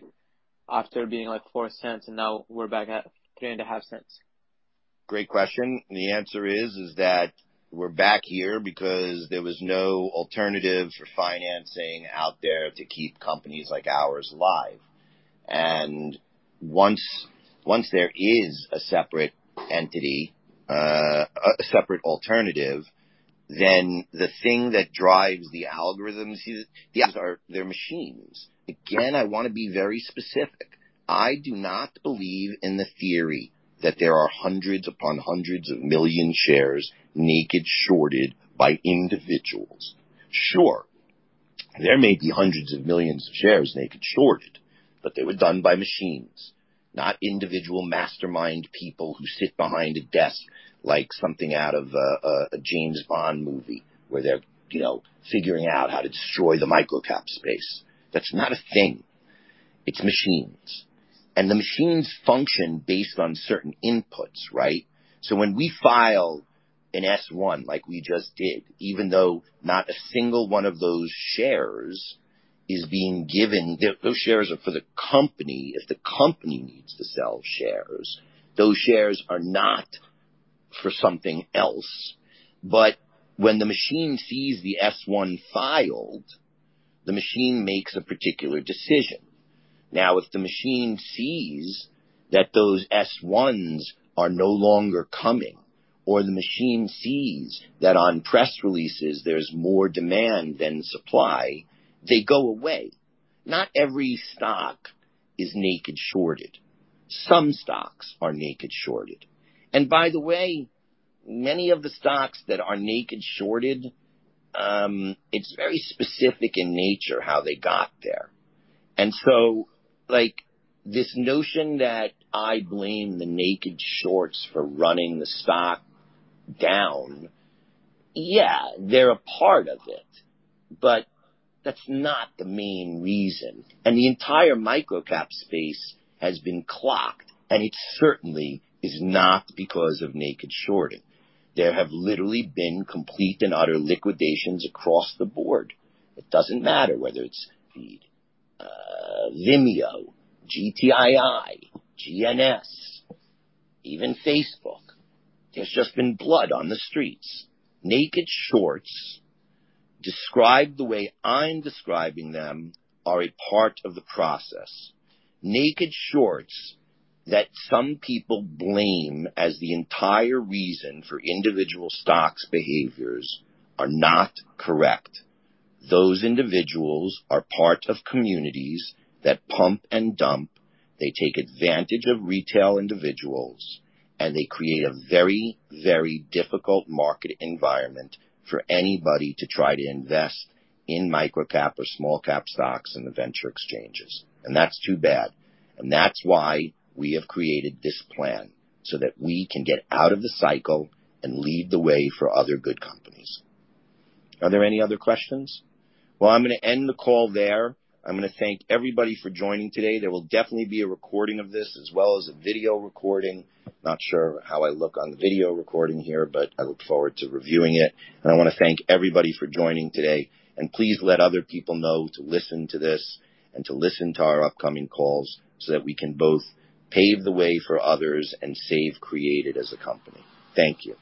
after being, like, $0.04, and now we're back at $0.035? Great question. The answer is, is that we're back here because there was no alternative for financing out there to keep companies like ours alive. Once, once there is a separate entity, a separate alternative, then the thing that drives the algorithms these are, they're machines. Again, I want to be very specific. I do not believe in the theory that there are hundreds upon hundreds of million shares naked shorted by individuals. There may be hundreds of millions of shares naked shorted, but they were done by machines, not individual mastermind people who sit behind a desk like something out of a, a, a James Bond movie, where they're, you know, figuring out how to destroy the microcap space. That's not a thing. It's machines. The machines function based on certain inputs, right? When we file an S-1 like we just did, even though not a single one of those shares is being given, those shares are for the company. If the company needs to sell shares, those shares are not for something else. When the machine sees the S-1 filed, the machine makes a particular decision. If the machine sees that those S-1s are no longer coming, or the machine sees that on press releases, there's more demand than supply, they go away. Not every stock is naked shorted. Some stocks are naked shorted. By the way, many of the stocks that are naked shorted, it's very specific in nature how they got there. Like, this notion that I blame the naked shorts for running the stock down, yeah, they're a part of it, but that's not the main reason. The entire microcap space has been clocked, and it certainly is not because of naked shorting. There have literally been complete and utter liquidations across the board. It doesn't matter whether it's Vimeo, GTII, GNS, even Facebook. There's just been blood on the streets. Naked shorts described the way I'm describing them are a part of the process. Naked shorts that some people blame as the entire reason for individual stocks' behaviors are not correct. Those individuals are part of communities that pump and dump. They take advantage of retail individuals, and they create a very, very difficult market environment for anybody to try to invest in microcap or small cap stocks in the venture exchanges. That's too bad, and that's why we have created this plan, so that we can get out of the cycle and lead the way for other good companies. Are there any other questions? Well, I'm going to end the call there. I'm going to thank everybody for joining today. There will definitely be a recording of this as well as a video recording. Not sure how I look on the video recording here, but I look forward to reviewing it. I want to thank everybody for joining today, and please let other people know to listen to this and to listen to our upcoming calls, so that we can both pave the way for others and save Creatd as a company. Thank you.